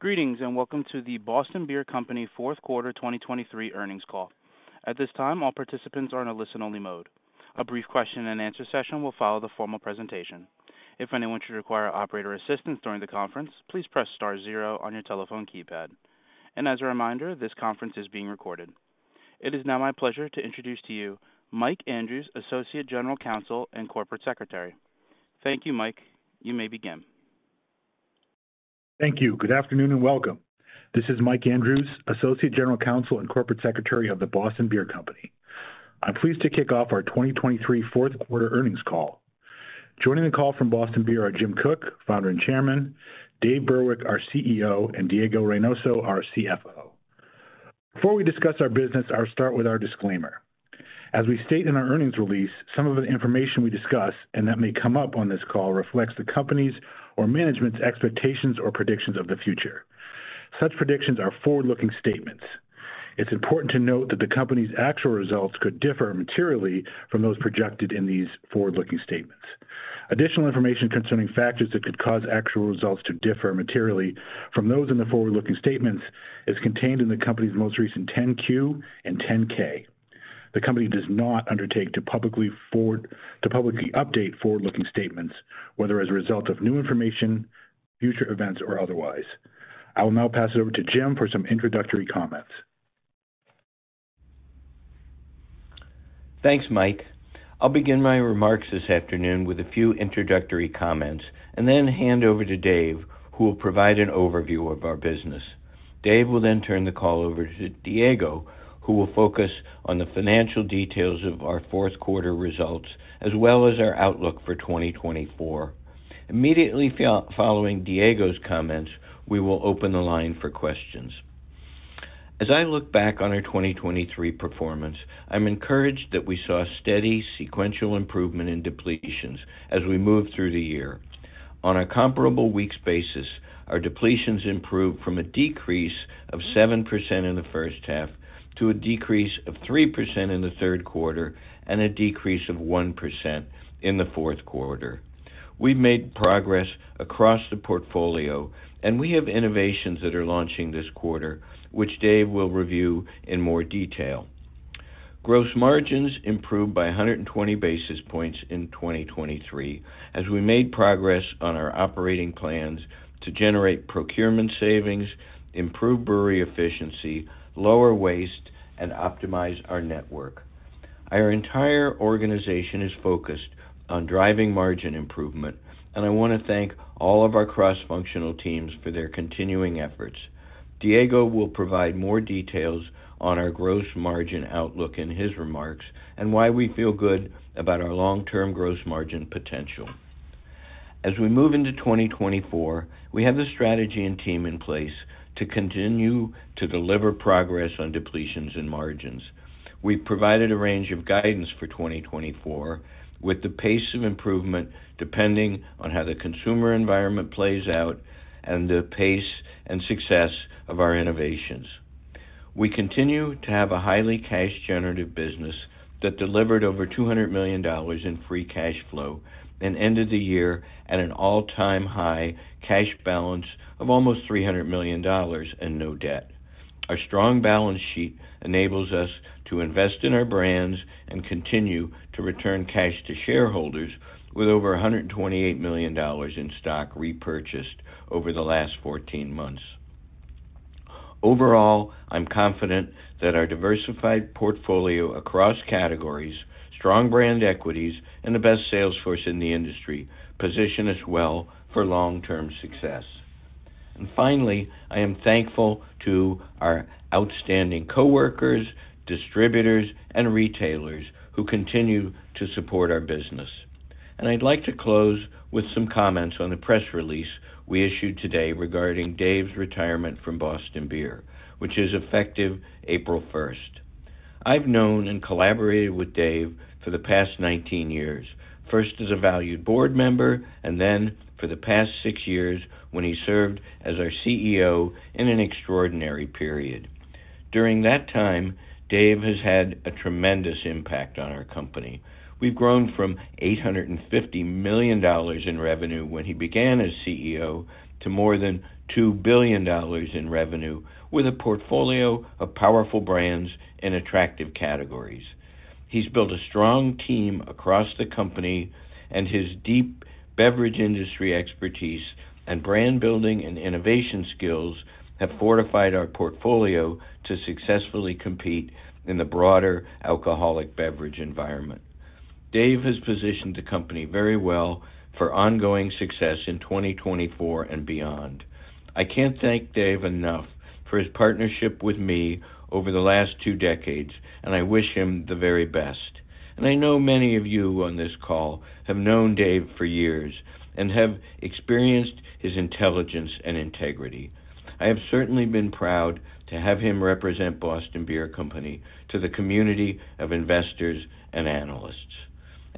Greetings and welcome to The Boston Beer Company fourth quarter 2023 earnings call. At this time, all participants are in a listen-only mode. A brief question-and-answer session will follow the formal presentation. If anyone should require operator assistance during the conference, please press star zero on your telephone keypad. As a reminder, this conference is being recorded. It is now my pleasure to introduce to you Mike Andrews, Associate General Counsel and Corporate Secretary. Thank you, Mike. You may begin. Thank you. Good afternoon and welcome. This is Mike Andrews, Associate General Counsel and Corporate Secretary of The Boston Beer Company. I'm pleased to kick off our 2023 fourth quarter earnings call. Joining the call from Boston Beer are Jim Koch, Founder and Chairman; Dave Burwick, our CEO; and Diego Reynoso, our CFO. Before we discuss our business, I'll start with our disclaimer. As we state in our earnings release, some of the information we discuss and that may come up on this call reflects the company's or management's expectations or predictions of the future. Such predictions are forward-looking statements. It's important to note that the company's actual results could differ materially from those projected in these forward-looking statements. Additional information concerning factors that could cause actual results to differ materially from those in the forward-looking statements is contained in the company's most recent 10-Q and 10-K. The company does not undertake to publicly update forward-looking statements, whether as a result of new information, future events, or otherwise. I will now pass it over to Jim for some introductory comments. Thanks, Mike. I'll begin my remarks this afternoon with a few introductory comments and then hand over to Dave, who will provide an overview of our business. Dave will then turn the call over to Diego, who will focus on the financial details of our fourth quarter results as well as our outlook for 2024. Immediately following Diego's comments, we will open the line for questions. As I look back on our 2023 performance, I'm encouraged that we saw steady, sequential improvement in depletions as we moved through the year. On a comparable week's basis, our depletions improved from a decrease of 7% in the first half to a decrease of 3% in the third quarter and a decrease of 1% in the fourth quarter. We've made progress across the portfolio, and we have innovations that are launching this quarter, which Dave will review in more detail. Gross margins improved by 120 basis points in 2023 as we made progress on our operating plans to generate procurement savings, improve brewery efficiency, lower waste, and optimize our network. Our entire organization is focused on driving margin improvement, and I want to thank all of our cross-functional teams for their continuing efforts. Diego will provide more details on our gross margin outlook in his remarks and why we feel good about our long-term gross margin potential. As we move into 2024, we have the strategy and team in place to continue to deliver progress on depletions and margins. We've provided a range of guidance for 2024 with the pace of improvement depending on how the consumer environment plays out and the pace and success of our innovations. We continue to have a highly cash-generative business that delivered over $200 million in free cash flow and ended the year at an all-time high cash balance of almost $300 million and no debt. Our strong balance sheet enables us to invest in our brands and continue to return cash to shareholders with over $128 million in stock repurchased over the last 14 months. Overall, I'm confident that our diversified portfolio across categories, strong brand equities, and the best salesforce in the industry position us well for long-term success. Finally, I am thankful to our outstanding coworkers, distributors, and retailers who continue to support our business. I'd like to close with some comments on the press release we issued today regarding Dave's retirement from Boston Beer, which is effective April 1st. I've known and collaborated with Dave for the past 19 years, first as a valued board member and then for the past six years when he served as our CEO in an extraordinary period. During that time, Dave has had a tremendous impact on our company. We've grown from $850 million in revenue when he began as CEO to more than $2 billion in revenue with a portfolio of powerful brands and attractive categories. He's built a strong team across the company, and his deep beverage industry expertise and brand building and innovation skills have fortified our portfolio to successfully compete in the broader alcoholic beverage environment. Dave has positioned the company very well for ongoing success in 2024 and beyond. I can't thank Dave enough for his partnership with me over the last 2 decades, and I wish him the very best. I know many of you on this call have known Dave for years and have experienced his intelligence and integrity. I have certainly been proud to have him represent Boston Beer Company to the community of investors and analysts.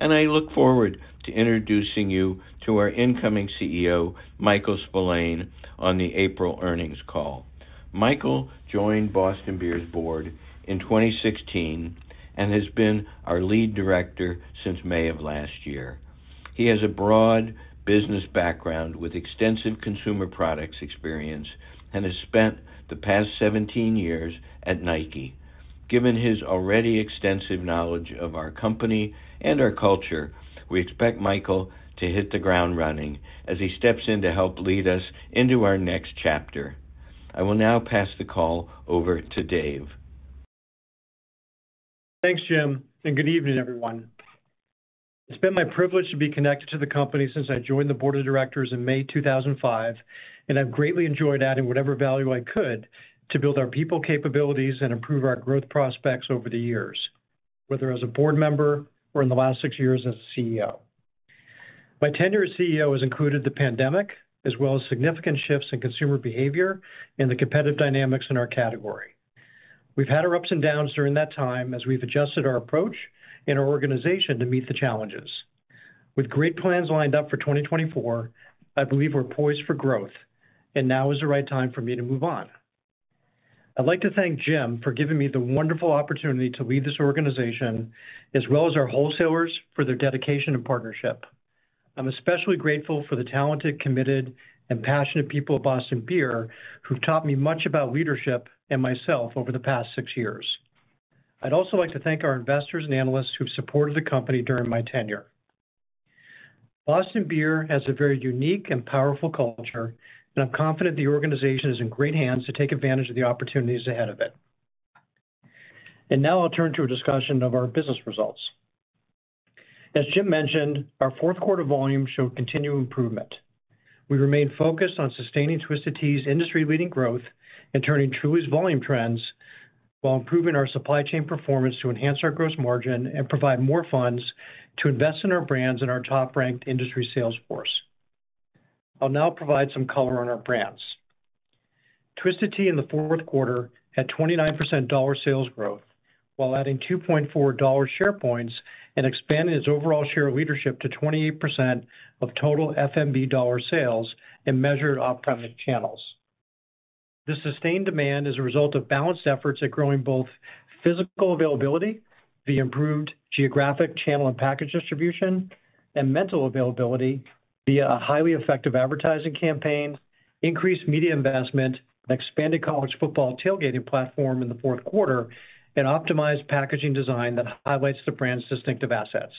I look forward to introducing you to our incoming CEO, Michael Spillane, on the April earnings call. Michael joined Boston Beer's board in 2016 and has been our Lead Director since May of last year. He has a broad business background with extensive consumer products experience and has spent the past 17 years at Nike. Given his already extensive knowledge of our company and our culture, we expect Michael to hit the ground running as he steps in to help lead us into our next chapter. I will now pass the call over to Dave. Thanks, Jim, and good evening, everyone. It's been my privilege to be connected to the company since I joined the board of directors in May 2005, and I've greatly enjoyed adding whatever value I could to build our people capabilities and improve our growth prospects over the years, whether as a board member or in the last six years as a CEO. My tenure as CEO has included the pandemic as well as significant shifts in consumer behavior and the competitive dynamics in our category. We've had our ups and downs during that time as we've adjusted our approach and our organization to meet the challenges. With great plans lined up for 2024, I believe we're poised for growth, and now is the right time for me to move on. I'd like to thank Jim for giving me the wonderful opportunity to lead this organization as well as our wholesalers for their dedication and partnership. I'm especially grateful for the talented, committed, and passionate people at Boston Beer who've taught me much about leadership and myself over the past six years. I'd also like to thank our investors and analysts who've supported the company during my tenure. Boston Beer has a very unique and powerful culture, and I'm confident the organization is in great hands to take advantage of the opportunities ahead of it. Now I'll turn to a discussion of our business results. As Jim mentioned, our fourth quarter volume showed continual improvement. We remain focused on sustaining Twisted Tea's industry-leading growth and turning Truly's volume trends while improving our supply chain performance to enhance our gross margin and provide more funds to invest in our brands and our top-ranked industry salesforce. I'll now provide some color on our brands. Twisted Tea in the fourth quarter had 29% dollar sales growth while adding $2.4 share points and expanding its overall share leadership to 28% of total FMB dollar sales in measured off-premise channels. This sustained demand is a result of balanced efforts at growing both physical availability via improved geographic channel and package distribution, and mental availability via a highly effective advertising campaign, increased media investment, an expanded college football tailgating platform in the fourth quarter, and optimized packaging design that highlights the brand's distinctive assets.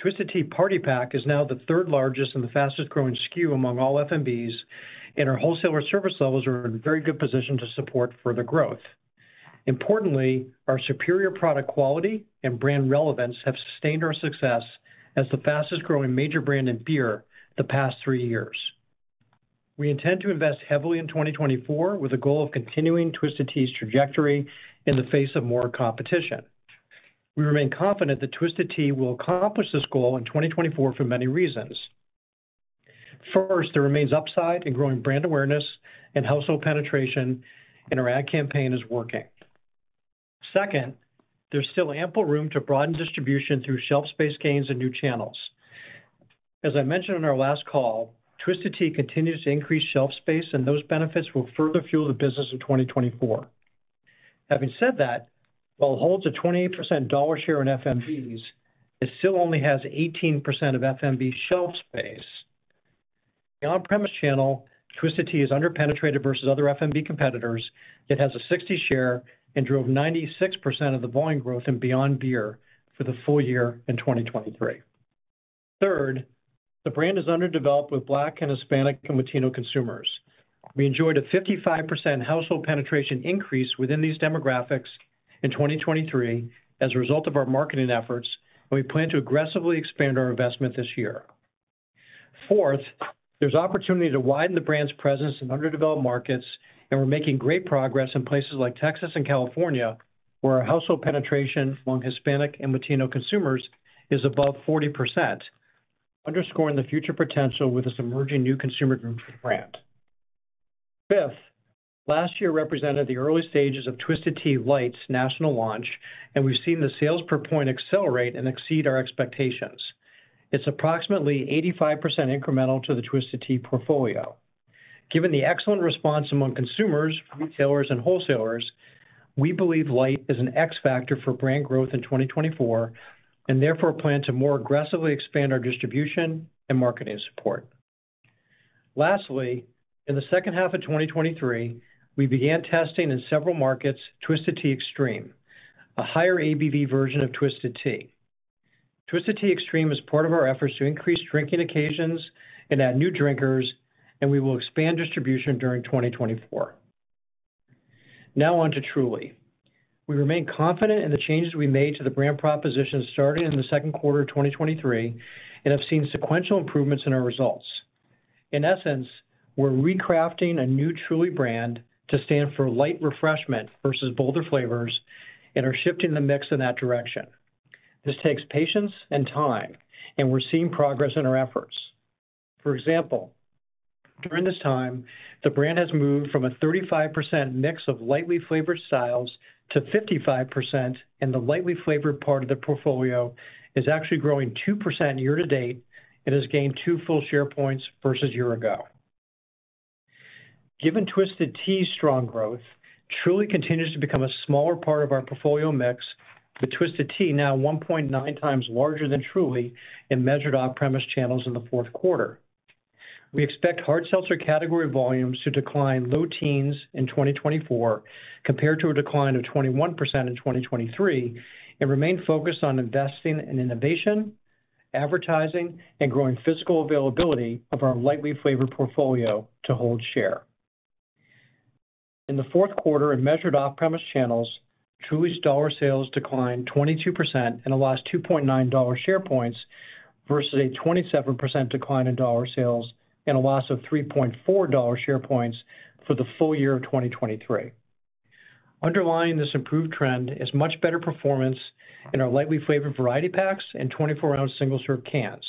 Twisted Tea Party Pack is now the third largest and the fastest-growing SKU among all FMBs, and our wholesaler service levels are in very good position to support further growth. Importantly, our superior product quality and brand relevance have sustained our success as the fastest-growing major brand in beer the past three years. We intend to invest heavily in 2024 with the goal of continuing Twisted Tea's trajectory in the face of more competition. We remain confident that Twisted Tea will accomplish this goal in 2024 for many reasons. First, there remains upside in growing brand awareness and household penetration, and our ad campaign is working. Second, there's still ample room to broaden distribution through shelf space gains and new channels. As I mentioned on our last call, Twisted Tea continues to increase shelf space, and those benefits will further fuel the business in 2024. Having said that, while it holds a 28% dollar share in FMBs, it still only has 18% of FMB shelf space. The on-premise channel, Twisted Tea, is under-penetrated versus other FMB competitors, yet has a 60% share and drove 96% of the volume growth in Beyond Beer for the full year in 2023. Third, the brand is underdeveloped with Black and Hispanic and Latino consumers. We enjoyed a 55% household penetration increase within these demographics in 2023 as a result of our marketing efforts, and we plan to aggressively expand our investment this year. Fourth, there's opportunity to widen the brand's presence in underdeveloped markets, and we're making great progress in places like Texas and California where our household penetration among Hispanic and Latino consumers is above 40%, underscoring the future potential with this emerging new consumer group for the brand. Fifth, last year represented the early stages of Twisted Tea Light's national launch, and we've seen the sales per point accelerate and exceed our expectations. It's approximately 85% incremental to the Twisted Tea portfolio. Given the excellent response among consumers, retailers, and wholesalers, we believe Light is an X factor for brand growth in 2024 and therefore plan to more aggressively expand our distribution and marketing support. Lastly, in the second half of 2023, we began testing in several markets Twisted Tea Extreme, a higher ABV version of Twisted Tea. Twisted Tea Extreme is part of our efforts to increase drinking occasions and add new drinkers, and we will expand distribution during 2024. Now on to Truly. We remain confident in the changes we made to the brand proposition starting in the second quarter of 2023 and have seen sequential improvements in our results. In essence, we're recrafting a new Truly brand to stand for light refreshment versus bolder flavors and are shifting the mix in that direction. This takes patience and time, and we're seeing progress in our efforts. For example, during this time, the brand has moved from a 35% mix of lightly flavored styles to 55%, and the lightly flavored part of the portfolio is actually growing 2% year to date and has gained two full share points versus a year ago. Given Twisted Tea's strong growth, Truly continues to become a smaller part of our portfolio mix with Twisted Tea now 1.9 times larger than Truly in measured off-premise channels in the fourth quarter. We expect hard seltzer category volumes to decline low teens in 2024 compared to a decline of 21% in 2023 and remain focused on investing in innovation, advertising, and growing physical availability of our lightly flavored portfolio to hold share. In the fourth quarter in measured off-premise channels, Truly's dollar sales declined 22% and a loss of $2.9 share points versus a 27% decline in dollar sales and a loss of $3.4 share points for the full year of 2023. Underlying this improved trend is much better performance in our lightly flavored variety packs and 24-ounce single-serve cans.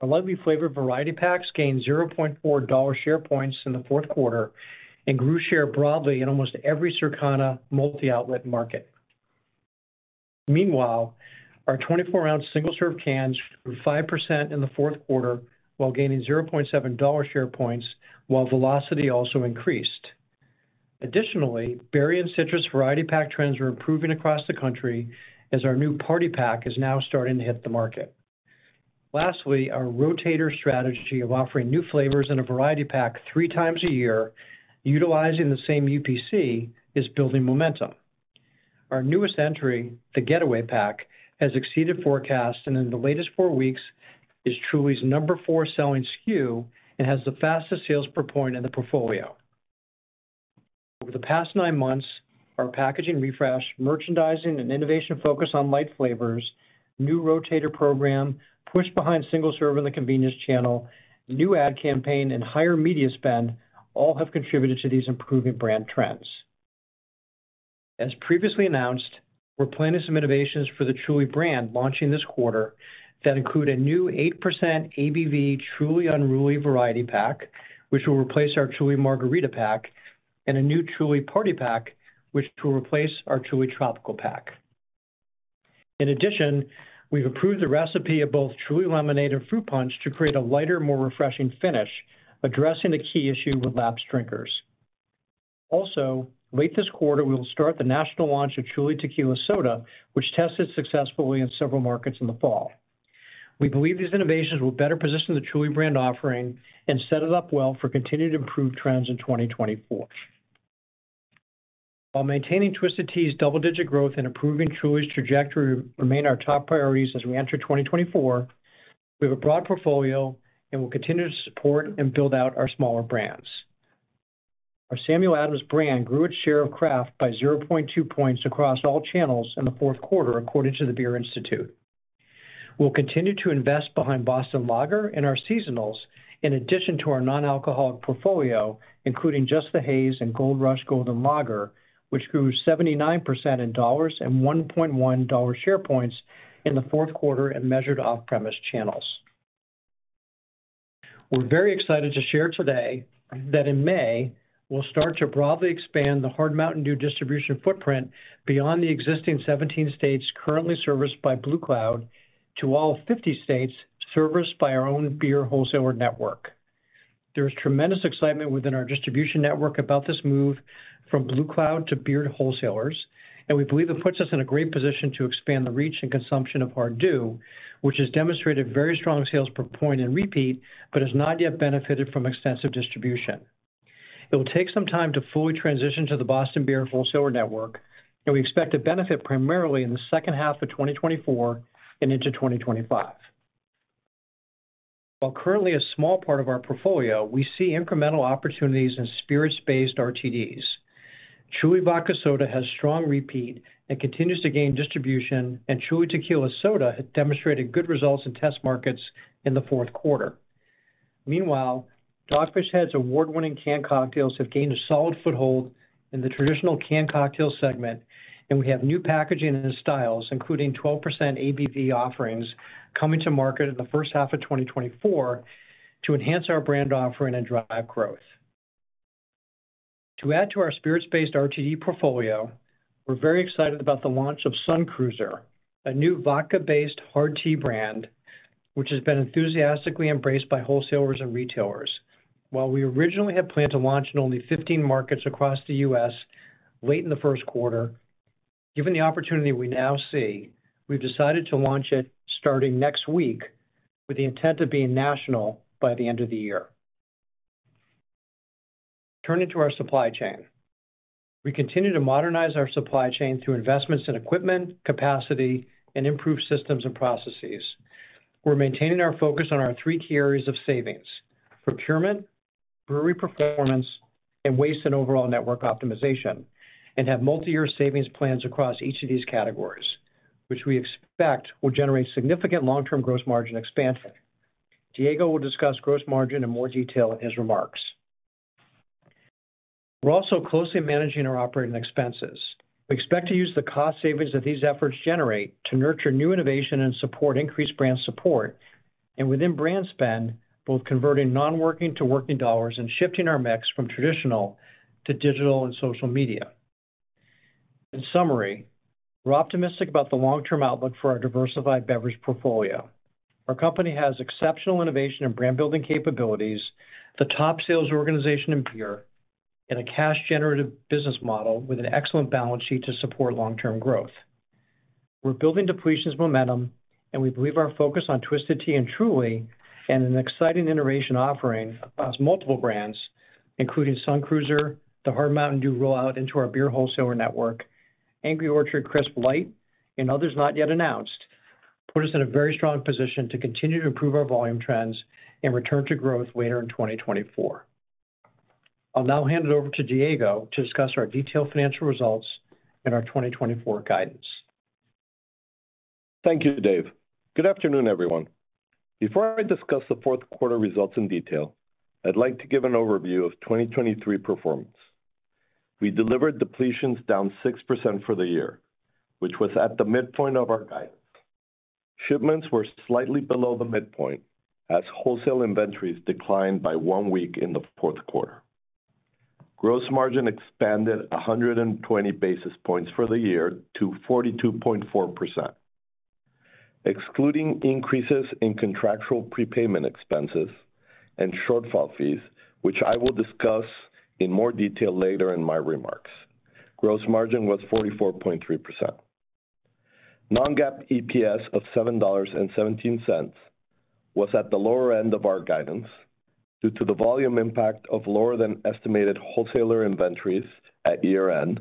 Our lightly flavored variety packs gained $0.4 share points in the fourth quarter and grew share broadly in almost every Circana multi-outlet market. Meanwhile, our 24-ounce single-serve cans grew 5% in the fourth quarter while gaining $0.7 share points while velocity also increased. Additionally, berry and citrus variety pack trends are improving across the country as our new Party Pack is now starting to hit the market. Lastly, our rotator strategy of offering new flavors in a variety pack three times a year utilizing the same UPC is building momentum. Our newest entry, the Getaway Pack, has exceeded forecasts and in the latest four weeks is Truly's number four selling SKU and has the fastest sales per point in the portfolio. Over the past nine months, our packaging refresh, merchandising, and innovation focus on light flavors, new rotator program, push behind single-serve in the convenience channel, new ad campaign, and higher media spend all have contributed to these improving brand trends. As previously announced, we're planning some innovations for the Truly brand launching this quarter that include a new 8% ABV Truly Unruly variety pack, which will replace our Truly Margarita pack, and a new Truly Party Pack, which will replace our Truly Tropical pack. In addition, we've approved the recipe of both Truly Lemonade and Fruit Punch to create a lighter, more refreshing finish addressing the key issue with lapsed drinkers. Also, late this quarter, we will start the national launch of Truly Tequila Soda, which tested successfully in several markets in the fall. We believe these innovations will better position the Truly brand offering and set it up well for continued improved trends in 2024. While maintaining Twisted Tea's double-digit growth and improving Truly's trajectory remain our top priorities as we enter 2024, we have a broad portfolio and will continue to support and build out our smaller brands. Our Samuel Adams brand grew its share of craft by 0.2 points across all channels in the fourth quarter, according to the Beer Institute. We'll continue to invest behind Boston Lager in our seasonals in addition to our non-alcoholic portfolio, including Just the Haze and Gold Rush Golden Lager, which grew 79% in dollars and $1.1 share points in the fourth quarter in measured off-premise channels. We're very excited to share today that in May, we'll start to broadly expand the Hard Mountain Dew distribution footprint beyond the existing 17 states currently serviced by Blue Cloud to all 50 states serviced by our own beer wholesaler network. There is tremendous excitement within our distribution network about this move from Blue Cloud to Boston Beer wholesalers, and we believe it puts us in a great position to expand the reach and consumption of Hard Mountain Dew, which has demonstrated very strong sales per point and repeat but has not yet benefited from extensive distribution. It will take some time to fully transition to the Boston Beer wholesaler network, and we expect to benefit primarily in the second half of 2024 and into 2025. While currently a small part of our portfolio, we see incremental opportunities in spirits-based RTDs. Truly Vodka Soda has strong repeat and continues to gain distribution, and Truly Tequila Soda had demonstrated good results in test markets in the fourth quarter. Meanwhile, Dogfish Head's award-winning can cocktails have gained a solid foothold in the traditional can cocktail segment, and we have new packaging and styles, including 12% ABV offerings, coming to market in the first half of 2024 to enhance our brand offering and drive growth. To add to our spirits-based RTD portfolio, we're very excited about the launch of Sun Cruiser, a new vodka-based Hard Tea brand which has been enthusiastically embraced by wholesalers and retailers. While we originally had planned to launch in only 15 markets across the U.S. late in the first quarter, given the opportunity we now see, we've decided to launch it starting next week with the intent of being national by the end of the year. Turning to our supply chain. We continue to modernize our supply chain through investments in equipment, capacity, and improved systems and processes. We're maintaining our focus on our three key areas of savings: procurement, brewery performance, and waste and overall network optimization, and have multi-year savings plans across each of these categories, which we expect will generate significant long-term gross margin expansion. Diego will discuss gross margin in more detail in his remarks. We're also closely managing our operating expenses. We expect to use the cost savings that these efforts generate to nurture new innovation and support increased brand support, and within brand spend, both converting non-working to working dollars and shifting our mix from traditional to digital and social media. In summary, we're optimistic about the long-term outlook for our diversified beverage portfolio. Our company has exceptional innovation and brand-building capabilities, the top sales organization in beer, and a cash-generative business model with an excellent balance sheet to support long-term growth. We're building depletions momentum, and we believe our focus on Twisted Tea and Truly and an exciting innovation offering across multiple brands, including Sun Cruiser, the Hard Mountain Dew rollout into our beer wholesaler network, Angry Orchard Crisp Light, and others not yet announced, put us in a very strong position to continue to improve our volume trends and return to growth later in 2024. I'll now hand it over to Diego to discuss our detailed financial results and our 2024 guidance. Thank you, Dave. Good afternoon, everyone. Before I discuss the fourth quarter results in detail, I'd like to give an overview of 2023 performance. We delivered depletions down 6% for the year, which was at the midpoint of our guidance. Shipments were slightly below the midpoint as wholesale inventories declined by one week in the fourth quarter. Gross margin expanded 120 basis points for the year to 42.4%. Excluding increases in contractual prepayment expenses and shortfall fees, which I will discuss in more detail later in my remarks, gross margin was 44.3%. Non-GAAP EPS of $7.17 was at the lower end of our guidance due to the volume impact of lower-than-estimated wholesaler inventories at year-end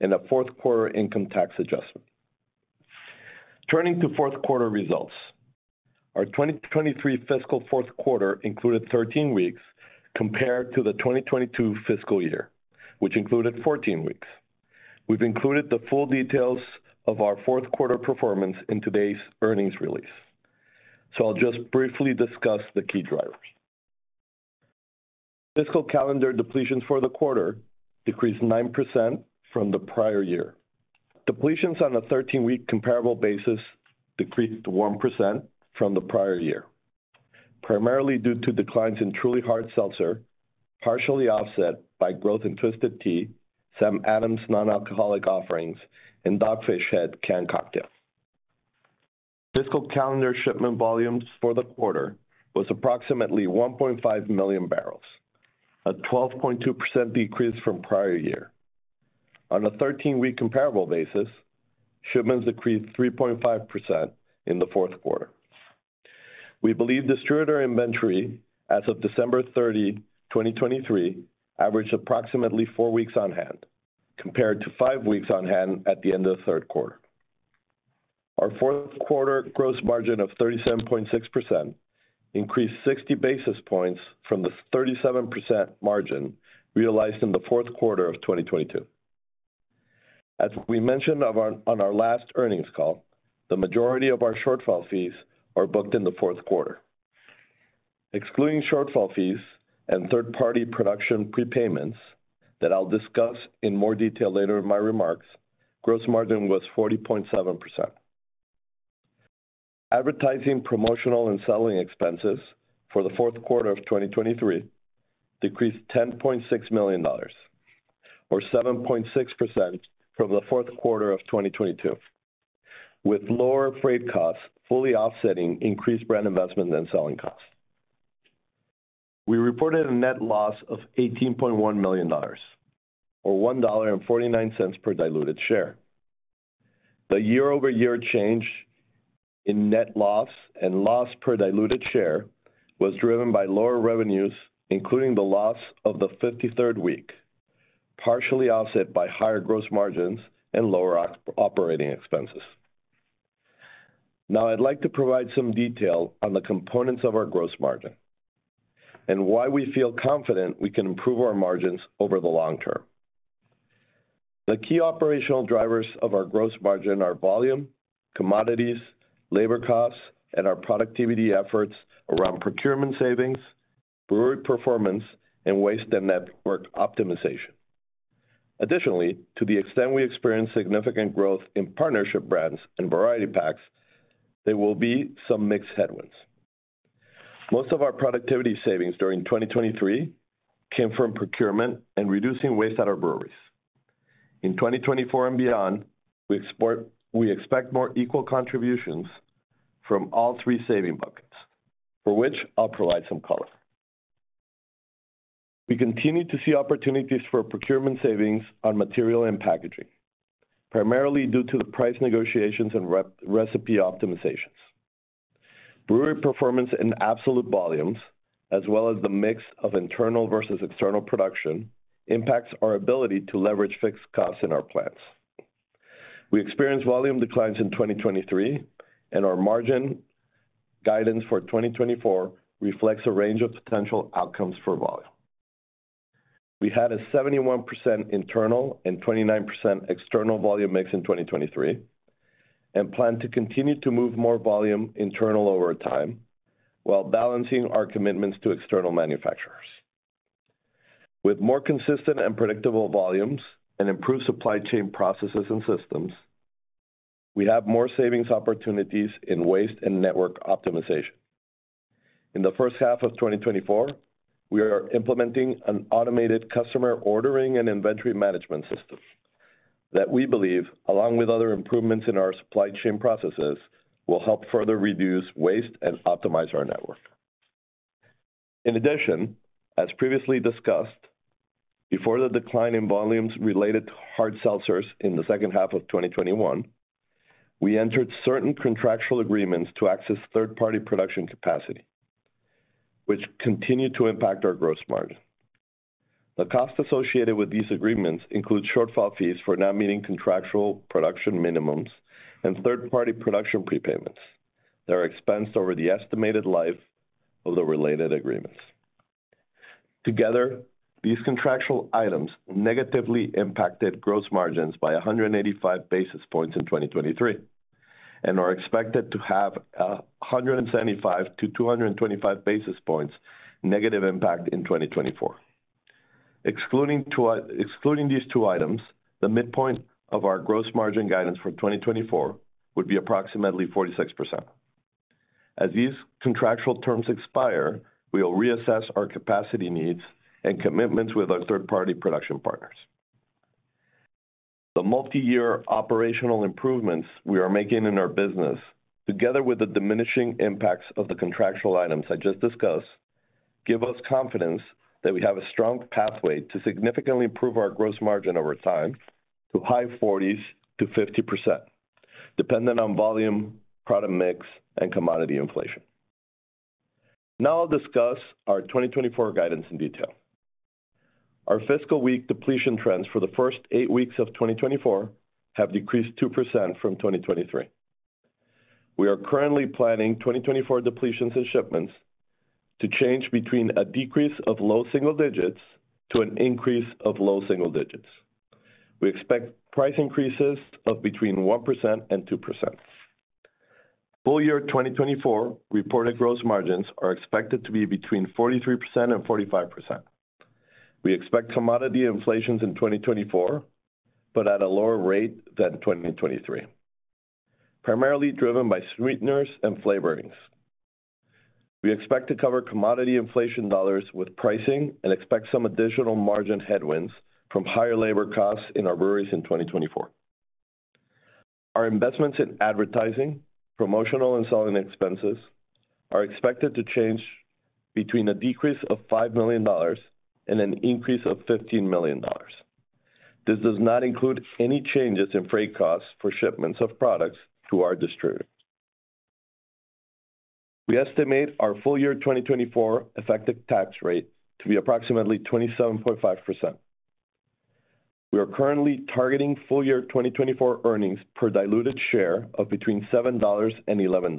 and a fourth quarter income tax adjustment. Turning to fourth quarter results. Our 2023 fiscal fourth quarter included 13 weeks compared to the 2022 fiscal year, which included 14 weeks. We've included the full details of our fourth quarter performance in today's earnings release. So I'll just briefly discuss the key drivers. Fiscal calendar depletions for the quarter decreased 9% from the prior year. Depletions on a 13-week comparable basis decreased 1% from the prior year, primarily due to declines in Truly Hard Seltzer, partially offset by growth in Twisted Tea, Sam Adams non-alcoholic offerings, and Dogfish Head can cocktail. Fiscal calendar shipment volumes for the quarter was approximately 1.5 million barrels, a 12.2% decrease from prior year. On a 13-week comparable basis, shipments decreased 3.5% in the fourth quarter. We believe distributor inventory as of December 30, 2023, averaged approximately four weeks on hand compared to five weeks on hand at the end of the third quarter. Our fourth quarter gross margin of 37.6% increased 60 basis points from the 37% margin realized in the fourth quarter of 2022. As we mentioned on our last earnings call, the majority of our shortfall fees are booked in the fourth quarter. Excluding shortfall fees and third-party production prepayments that I'll discuss in more detail later in my remarks, gross margin was 40.7%. Advertising, promotional, and selling expenses for the fourth quarter of 2023 decreased $10.6 million, or 7.6% from the fourth quarter of 2022, with lower freight costs fully offsetting increased brand investment and selling costs. We reported a net loss of $18.1 million, or $1.49 per diluted share. The year-over-year change in net loss and loss per diluted share was driven by lower revenues, including the loss of the 53rd week, partially offset by higher gross margins and lower operating expenses. Now, I'd like to provide some detail on the components of our gross margin and why we feel confident we can improve our margins over the long term. The key operational drivers of our gross margin are volume, commodities, labor costs, and our productivity efforts around procurement savings, brewery performance, and waste and network optimization. Additionally, to the extent we experience significant growth in partnership brands and variety packs, there will be some mixed headwinds. Most of our productivity savings during 2023 came from procurement and reducing waste at our breweries. In 2024 and beyond, we expect more equal contributions from all three saving buckets, for which I'll provide some color. We continue to see opportunities for procurement savings on material and packaging, primarily due to the price negotiations and recipe optimizations. Brewery performance and absolute volumes, as well as the mix of internal versus external production, impacts our ability to leverage fixed costs in our plants. We experienced volume declines in 2023, and our margin guidance for 2024 reflects a range of potential outcomes for volume. We had a 71% internal and 29% external volume mix in 2023 and plan to continue to move more volume internal over time while balancing our commitments to external manufacturers. With more consistent and predictable volumes and improved supply chain processes and systems, we have more savings opportunities in waste and network optimization. In the first half of 2024, we are implementing an automated customer ordering and inventory management system that we believe, along with other improvements in our supply chain processes, will help further reduce waste and optimize our network. In addition, as previously discussed, before the decline in volumes related to hard seltzers in the second half of 2021, we entered certain contractual agreements to access third-party production capacity, which continue to impact our gross margin. The costs associated with these agreements include shortfall fees for not meeting contractual production minimums and third-party production prepayments that are expensed over the estimated life of the related agreements. Together, these contractual items negatively impacted gross margins by 185 basis points in 2023 and are expected to have a 175-225 basis points negative impact in 2024. Excluding these two items, the midpoint of our gross margin guidance for 2024 would be approximately 46%. As these contractual terms expire, we will reassess our capacity needs and commitments with our third-party production partners. The multi-year operational improvements we are making in our business, together with the diminishing impacts of the contractual items I just discussed, give us confidence that we have a strong pathway to significantly improve our gross margin over time to high 40s-50%, dependent on volume, product mix, and commodity inflation. Now I'll discuss our 2024 guidance in detail. Our fiscal week depletion trends for the first eight weeks of 2024 have decreased 2% from 2023. We are currently planning 2024 depletions and shipments to change between a decrease of low single digits to an increase of low single digits. We expect price increases of between 1%-2%. Full year 2024 reported gross margins are expected to be between 43%-45%. We expect commodity inflations in 2024 but at a lower rate than 2023, primarily driven by sweeteners and flavorings. We expect to cover commodity inflation dollars with pricing and expect some additional margin headwinds from higher labor costs in our breweries in 2024. Our investments in advertising, promotional, and selling expenses are expected to change between a decrease of $5 million and an increase of $15 million. This does not include any changes in freight costs for shipments of products to our distributors. We estimate our full year 2024 effective tax rate to be approximately 27.5%. We are currently targeting full year 2024 earnings per diluted share of between $7 and $11.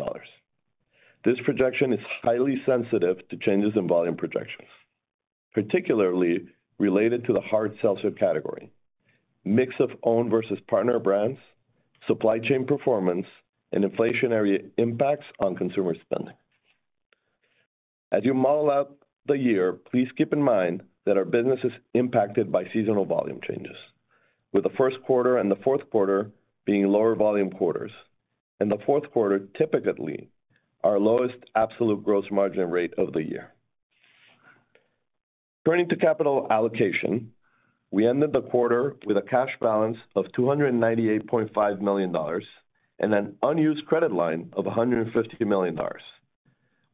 This projection is highly sensitive to changes in volume projections, particularly related to the hard seltzer category, mix of owned versus partner brands, supply chain performance, and inflationary impacts on consumer spending. As you model out the year, please keep in mind that our business is impacted by seasonal volume changes, with the first quarter and the fourth quarter being lower volume quarters, and the fourth quarter typically our lowest absolute gross margin rate of the year. Turning to capital allocation, we ended the quarter with a cash balance of $298.5 million and an unused credit line of $150 million,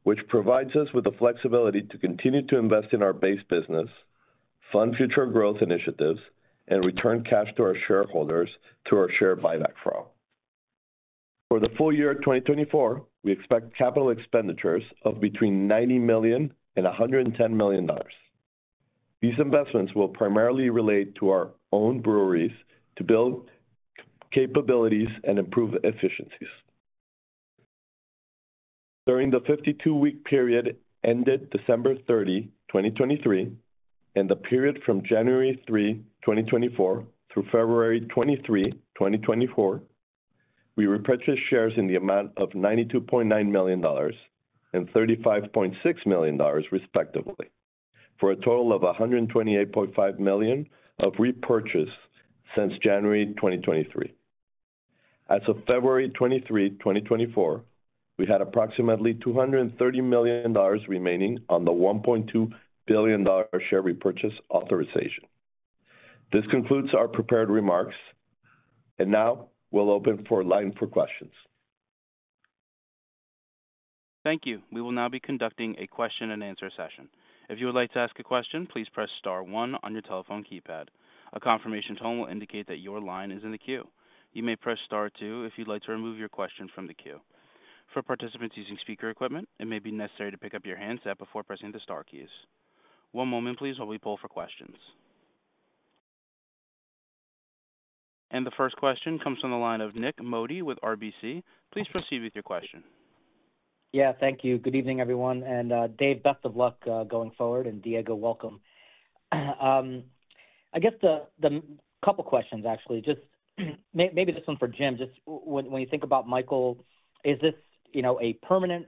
which provides us with the flexibility to continue to invest in our base business, fund future growth initiatives, and return cash to our shareholders through our share buyback program. For the full year 2024, we expect capital expenditures of between $90 million-$110 million. These investments will primarily relate to our own breweries to build capabilities and improve efficiencies. During the 52-week period ended December 30, 2023, and the period from January 3, 2024, through February 23, 2024, we repurchased shares in the amount of $92.9 million and $35.6 million, respectively, for a total of $128.5 million of repurchase since January 2023. As of February 23, 2024, we had approximately $230 million remaining on the $1.2 billion share repurchase authorization. This concludes our prepared remarks, and now we'll open the line for questions. Thank you. We will now be conducting a question-and-answer session. If you would like to ask a question, please press star one on your telephone keypad. A confirmation tone will indicate that your line is in the queue. You may press star two if you'd like to remove your question from the queue. For participants using speaker equipment, it may be necessary to pick up your handset before pressing the star keys. One moment, please, while we pull for questions. And the first question comes from the line of Nik Modi with RBC. Please proceed with your question. Yeah, thank you. Good evening, everyone. And Dave, best of luck going forward, and Diego, welcome. I guess the couple of questions, actually. Maybe this one for Jim. When you think about Michael, is this a permanent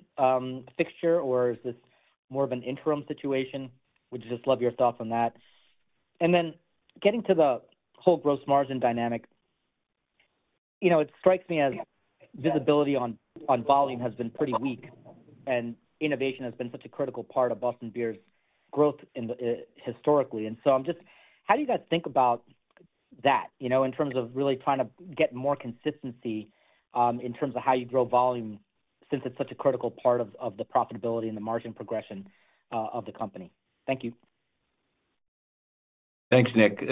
fixture, or is this more of an interim situation? Would just love your thoughts on that. And then getting to the whole gross margin dynamic, it strikes me as visibility on volume has been pretty weak, and innovation has been such a critical part of Boston Beer's growth historically. And so I'm just how do you guys think about that in terms of really trying to get more consistency in terms of how you grow volume since it's such a critical part of the profitability and the margin progression of the company? Thank you. Thanks, Nik.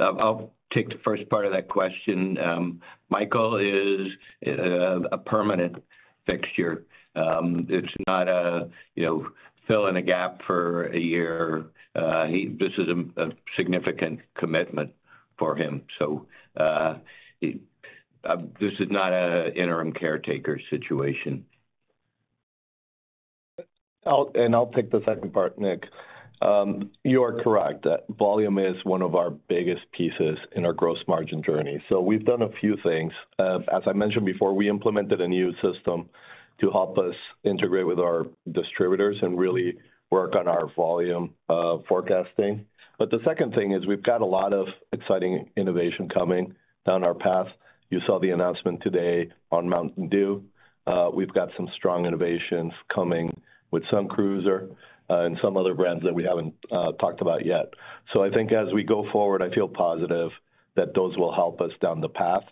I'll take the first part of that question. Michael is a permanent fixture. It's not a fill in a gap for a year. This is a significant commitment for him. So this is not an interim caretaker situation. And I'll take the second part, Nik. You are correct. Volume is one of our biggest pieces in our gross margin journey. So we've done a few things. As I mentioned before, we implemented a new system to help us integrate with our distributors and really work on our volume forecasting. But the second thing is we've got a lot of exciting innovation coming down our path. You saw the announcement today on Mountain Dew. We've got some strong innovations coming with Sun Cruiser and some other brands that we haven't talked about yet. So I think as we go forward, I feel positive that those will help us down the path,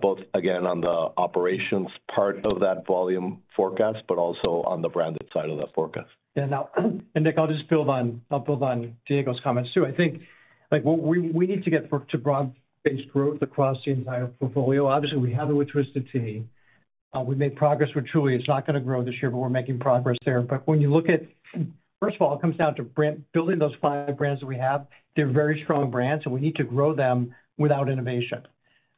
both again on the operations part of that volume forecast, but also on the branded side of that forecast. Yeah, now. And Nik, I'll build on Diego's comments too. I think we need to get to broad-based growth across the entire portfolio. Obviously, we have it with Twisted Tea. We've made progress with Truly. It's not going to grow this year, but we're making progress there. But when you look at first of all, it comes down to building those five brands that we have. They're very strong brands, and we need to grow them without innovation.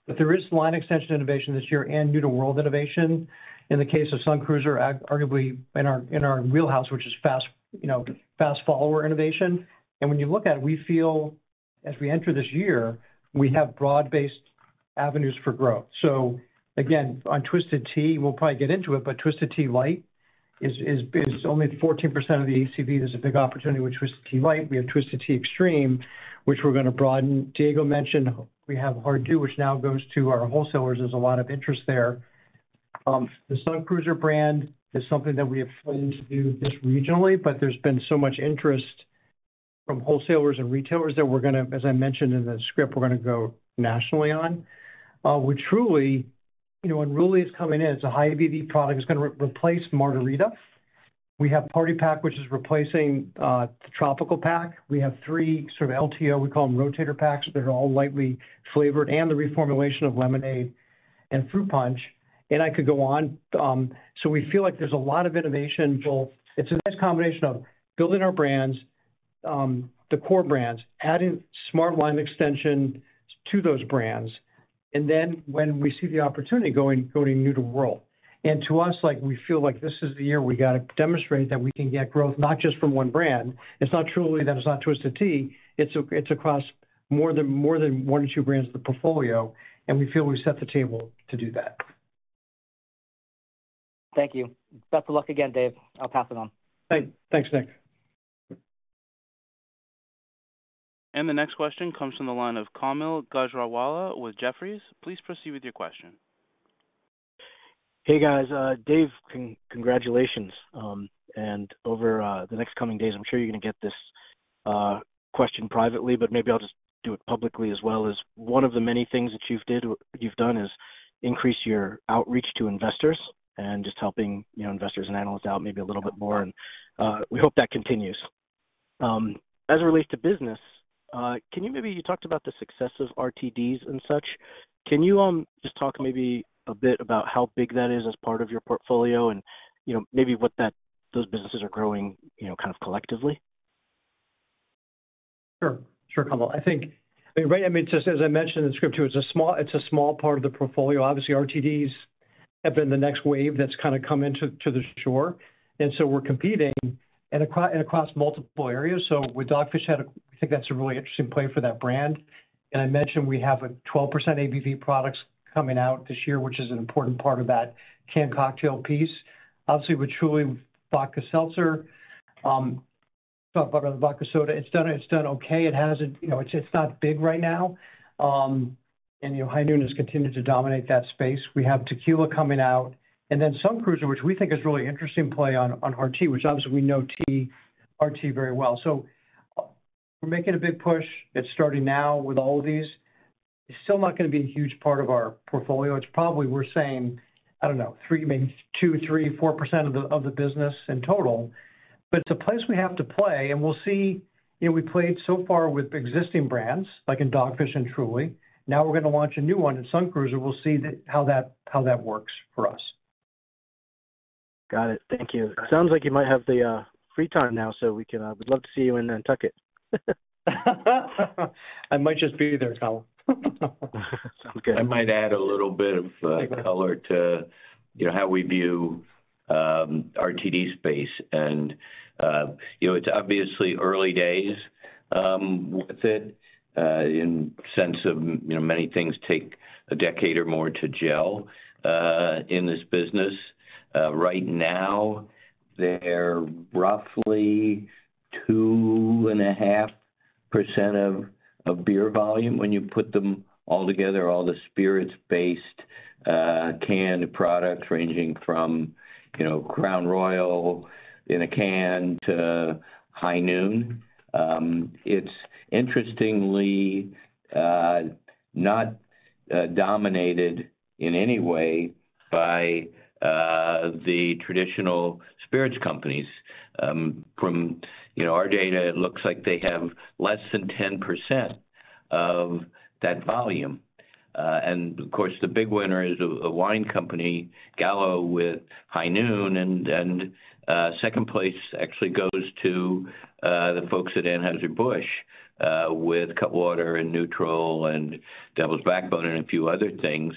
But there is line extension innovation this year and new-to-world innovation in the case of Sun Cruiser, arguably in our wheelhouse, which is fast-follower innovation. And when you look at it, we feel as we enter this year, we have broad-based avenues for growth. So again, on Twisted Tea, we'll probably get into it, but Twisted Tea Light is only 14% of the ACV. There's a big opportunity with Twisted Tea Light. We have Twisted Tea Extreme, which we're going to broaden. Diego mentioned we have Hard Mountain Dew, which now goes to our wholesalers. There's a lot of interest there. The Sun Cruiser brand is something that we have planned to do just regionally, but there's been so much interest from wholesalers and retailers that we're going to, as I mentioned in the script, we're going to go nationally on. With Truly, when Unruly is coming in, it's a high ABV product. It's going to replace Margarita. We have Party Pack, which is replacing the Tropical Pack. We have three sort of LTO, we call them rotator packs. They're all lightly flavored and the reformulation of Lemonade and Fruit Punch. And I could go on. So we feel like there's a lot of innovation. It's a nice combination of building our brands, the core brands, adding smart line extension to those brands, and then when we see the opportunity going new to world. And to us, we feel like this is the year we got to demonstrate that we can get growth not just from one brand. It's not Truly, then it's not Twisted Tea. It's across more than one or two brands of the portfolio. And we feel we've set the table to do that. Thank you. Best of luck again, Dave. I'll pass it on. Thanks, Nik. And the next question comes from the line of Kaumil Gajrawala with Jefferies. Please proceed with your question. Hey, guys. Dave, congratulations. And over the next coming days, I'm sure you're going to get this question privately, but maybe I'll just do it publicly as well. One of the many things that you've done is increase your outreach to investors and just helping investors and analysts out maybe a little bit more. We hope that continues. As it relates to business, can you maybe you talked about the success of RTDs and such. Can you just talk maybe a bit about how big that is as part of your portfolio and maybe what those businesses are growing kind of collectively? Sure. Sure, Kaumil. I mean, right, I mean, just as I mentioned in the script too, it's a small part of the portfolio. Obviously, RTDs have been the next wave that's kind of come into the shore. And so we're competing and across multiple areas. So with Dogfish, we think that's a really interesting play for that brand. I mentioned we have 12% ABV products coming out this year, which is an important part of that can cocktail piece. Obviously, with Truly, Vodka Seltzer, talk about Vodka Soda. It's done okay. It's not big right now. High Noon has continued to dominate that space. We have Tequila coming out. And then Sun Cruiser, which we think is a really interesting play on Hard Tea, which obviously we know tea, our tea very well. So we're making a big push. It's starting now with all of these. It's still not going to be a huge part of our portfolio. It's probably, we're saying, I don't know, maybe 2, 3, 4% of the business in total. But it's a place we have to play. We'll see we played so far with existing brands, like in Dogfish and Truly. Now we're going to launch a new one in Sun Cruiser. We'll see how that works for us. Got it. Thank you. Sounds like you might have the free time now, so we'd love to see you in Nantucket. I might just be there, Kaumil. Sounds good. I might add a little bit of color to how we view RTD space. And it's obviously early days with it in the sense of many things take a decade or more to gel in this business. Right now, they're roughly 2.5% of beer volume when you put them all together, all the spirits-based can products ranging from Crown Royal in a can to High Noon. It's interestingly not dominated in any way by the traditional spirits companies. From our data, it looks like they have less than 10% of that volume. Of course, the big winner is a wine company, Gallo, with High Noon. Second place actually goes to the folks at Anheuser-Busch with Cutwater and NÜTRL and Devils Backbone and a few other things.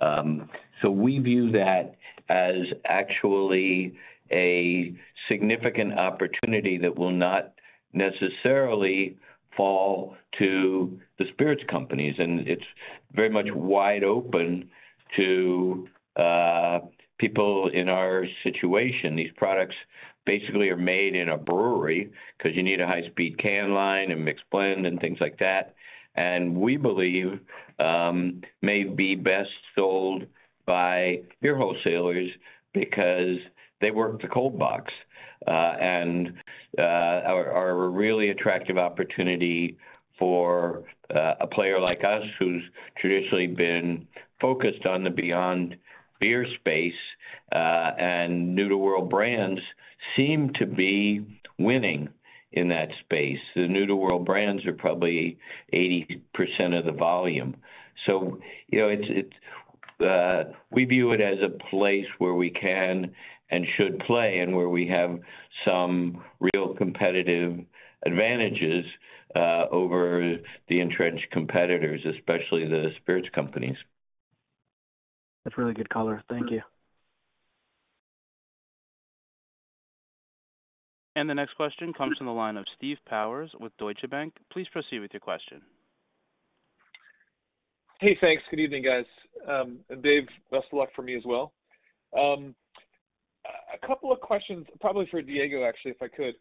So we view that as actually a significant opportunity that will not necessarily fall to the spirits companies. It's very much wide open to people in our situation. These products basically are made in a brewery because you need a high-speed can line and mix blend and things like that. And we believe may be best sold by beer wholesalers because they work the cold box and are a really attractive opportunity for a player like us who's traditionally been focused on the Beyond Beer space. New-to-world brands seem to be winning in that space. The new-to-world brands are probably 80% of the volume. So we view it as a place where we can and should play and where we have some real competitive advantages over the entrenched competitors, especially the spirits companies. That's really good color. Thank you. And the next question comes from the line of Steve Powers with Deutsche Bank. Please proceed with your question. Hey, thanks. Good evening, guys. Dave, best of luck for me as well. A couple of questions, probably for Diego, actually, if I could.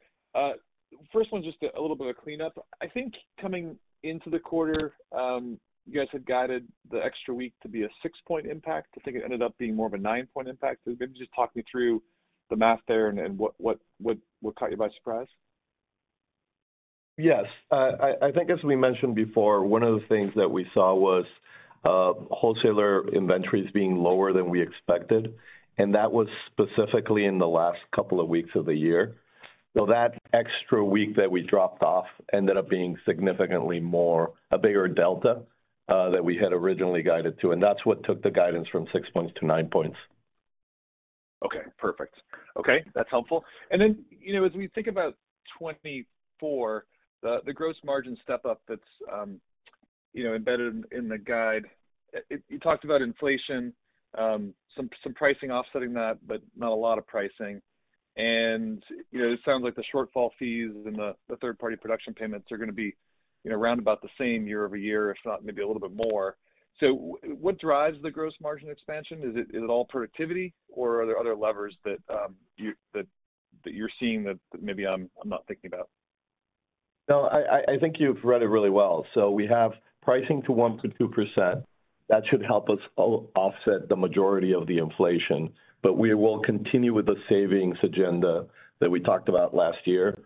First one, just a little bit of a cleanup. I think coming into the quarter, you guys had guided the extra week to be a 6-point impact. I think it ended up being more of a 9-point impact. Maybe just talk me through the math there and what caught you by surprise. Yes. I think as we mentioned before, one of the things that we saw was wholesaler inventories being lower than we expected. And that was specifically in the last couple of weeks of the year. So that extra week that we dropped off ended up being significantly more, a bigger delta that we had originally guided to. And that's what took the guidance from six points to nine points. Okay, perfect. Okay, that's helpful. And then as we think about 2024, the gross margin step-up that's embedded in the guide, you talked about inflation, some pricing offsetting that, but not a lot of pricing. And it sounds like the shortfall fees and the third-party production payments are going to be round about the same year-over-year, if not maybe a little bit more. So what drives the gross margin expansion? Is it all productivity, or are there other levers that you're seeing that maybe I'm not thinking about? No, I think you've read it really well. So we have pricing to 1.2%. That should help us offset the majority of the inflation. But we will continue with the savings agenda that we talked about last year.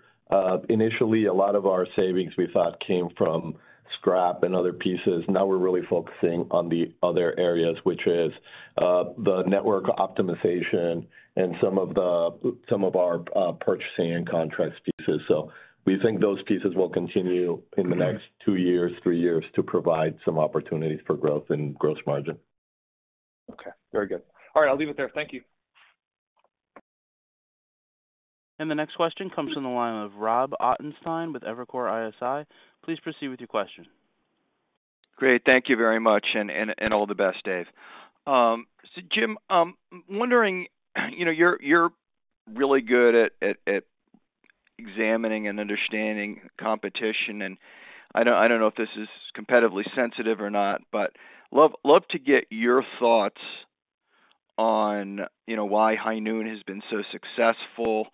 Initially, a lot of our savings we thought came from scrap and other pieces. Now we're really focusing on the other areas, which is the network optimization and some of our purchasing and contracts pieces. So we think those pieces will continue in the next two years, three years to provide some opportunities for growth and gross margin. Okay, very good. All right, I'll leave it there. Thank you. And the next question comes from the line of Rob Ottenstein with Evercore ISI. Please proceed with your question. Grea.t Thank you very much and all the best, Dave. So, Jim, wondering, you're really good at examining and understanding competition. And I don't know if this is competitively sensitive or not, but love to get your thoughts on why High Noon has been so successful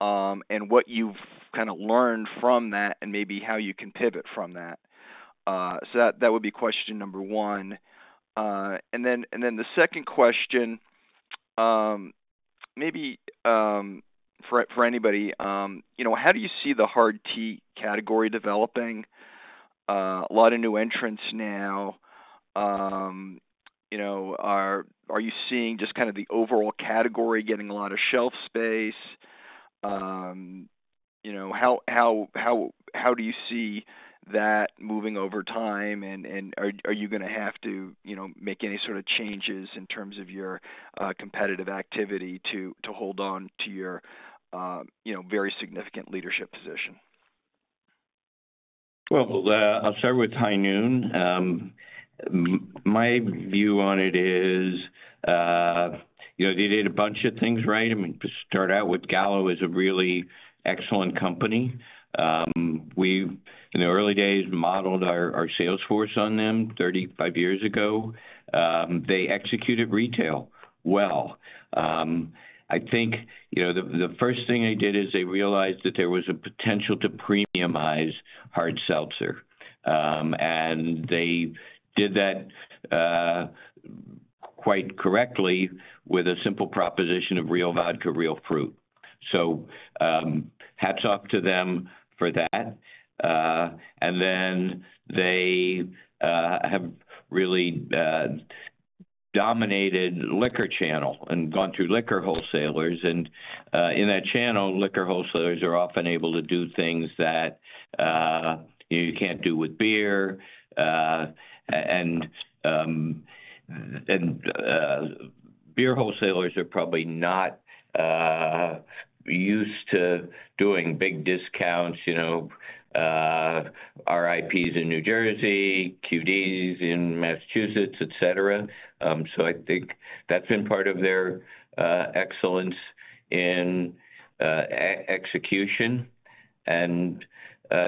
and what you've kind of learned from that and maybe how you can pivot from that. So that would be question number one. And then the second question, maybe for anybody, how do you see the Hard Tea category developing? A lot of new entrants now. Are you seeing just kind of the overall category getting a lot of shelf space? How do you see that moving over time? And are you going to have to make any sort of changes in terms of your competitive activity to hold on to your very significant leadership position? Well, I'll start with High Noon. My view on it is they did a bunch of things right. I mean, to start out with, Gallo is a really excellent company. We've, in the early days, modeled our sales force on them 35 years ago. They executed retail well. I think the first thing they did is they realized that there was a potential to premiumize hard seltzer. And they did that quite correctly with a simple proposition of real vodka, real fruit. So hats off to them for that. And then they have really dominated liquor channel and gone through liquor wholesalers. And in that channel, liquor wholesalers are often able to do things that you can't do with beer. And beer wholesalers are probably not used to doing big discounts, RIPs in New Jersey, QDs in Massachusetts, etc. So I think that's been part of their excellence in execution. And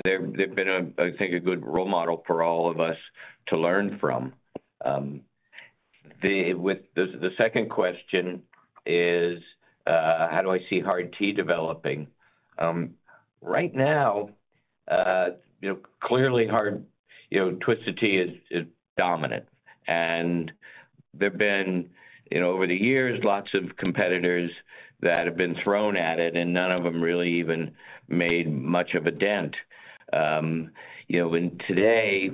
they've been, I think, a good role model for all of us to learn from. The second question is, how do I see Hard Tea developing? Right now, clearly, Twisted Tea is dominant. And there have been, over the years, lots of competitors that have been thrown at it, and none of them really even made much of a dent. And today,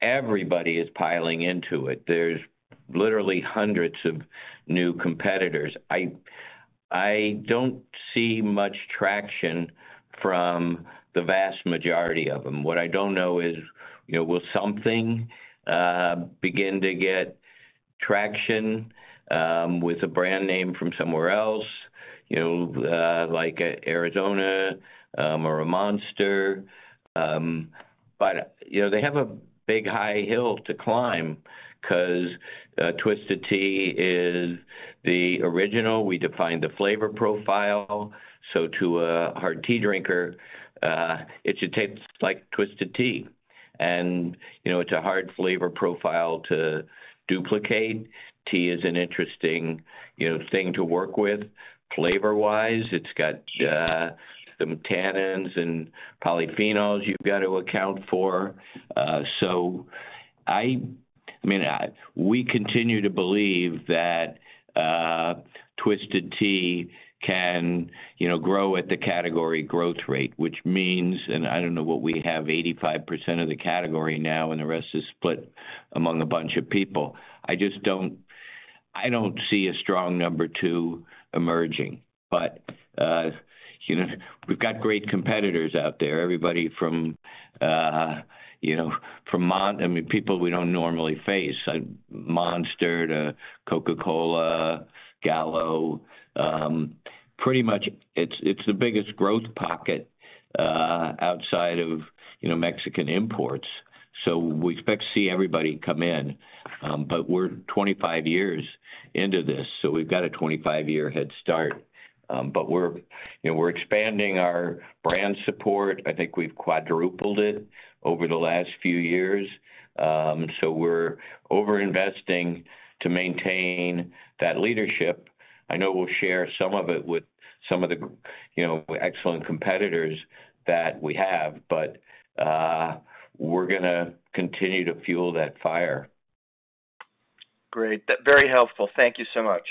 everybody is piling into it. There's literally hundreds of new competitors. I don't see much traction from the vast majority of them. What I don't know is, will something begin to get traction with a brand name from somewhere else, like Arizona or a Monster? But they have a big high hill to climb because Twisted Tea is the original. We defined the flavor profile. So to a hard tea drinker, it should taste like Twisted Tea. And it's a hard flavor profile to duplicate. Tea is an interesting thing to work with flavor-wise. It's got the tannins and polyphenols you've got to account for. So I mean, we continue to believe that Twisted Tea can grow at the category growth rate, which means and I don't know what we have, 85% of the category now, and the rest is split among a bunch of people. I don't see a strong number two emerging. But we've got great competitors out there, everybody from Monster, I mean, people we don't normally face, Monster, to Coca-Cola, Gallo. Pretty much, it's the biggest growth pocket outside of Mexican imports. So we expect to see everybody come in. But we're 25 years into this, so we've got a 25-year head start. But we're expanding our brand support. I think we've quadrupled it over the last few years. So we're overinvesting to maintain that leadership. I know we'll share some of it with some of the excellent competitors that we have, but we're going to continue to fuel that fire. Great. Very helpful. Thank you so much.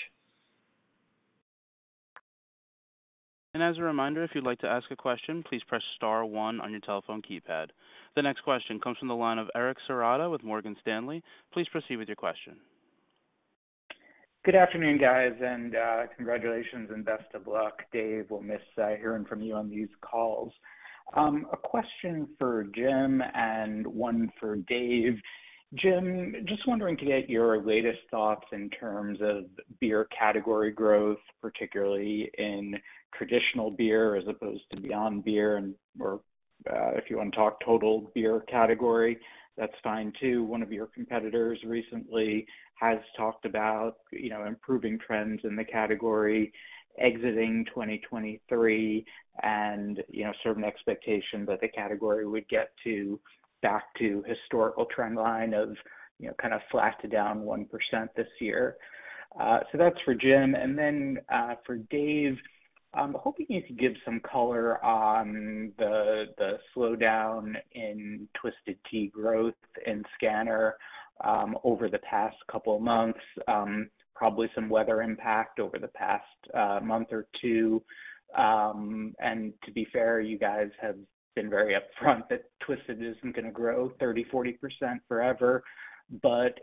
As a reminder, if you'd like to ask a question, please press star one on your telephone keypad. The next question comes from the line of Eric Serotta with Morgan Stanley. Please proceed with your question. Good afternoon, guys, and congratulations, and best of luck. Dave, we'll miss hearing from you on these calls. A question for Jim and one for Dave. Jim, just wondering to get your latest thoughts in terms of beer category growth, particularly in traditional beer as opposed to beyond beer, or if you want to talk total beer category, that's fine too. One of your competitors recently has talked about improving trends in the category, exiting 2023, and certain expectations that the category would get back to historical trendline of kind of flat to down 1% this year. So that's for Jim. And then for Dave, hoping you could give some color on the slowdown in Twisted Tea growth in scanner over the past couple of months, probably some weather impact over the past month or two. And to be fair, you guys have been very upfront that Twisted isn't going to grow 30%, 40% forever. But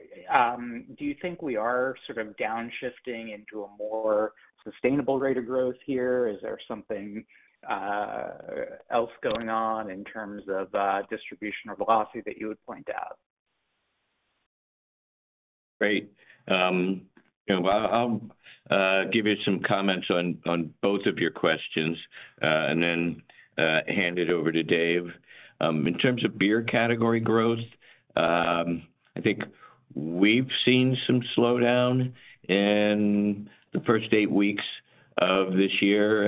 do you think we are sort of downshifting into a more sustainable rate of growth here? Is there something else going on in terms of distribution or velocity that you would point out? Great. Well, I'll give you some comments on both of your questions and then hand it over to Dave. In terms of beer category growth, I think we've seen some slowdown in the first 8 weeks of this year.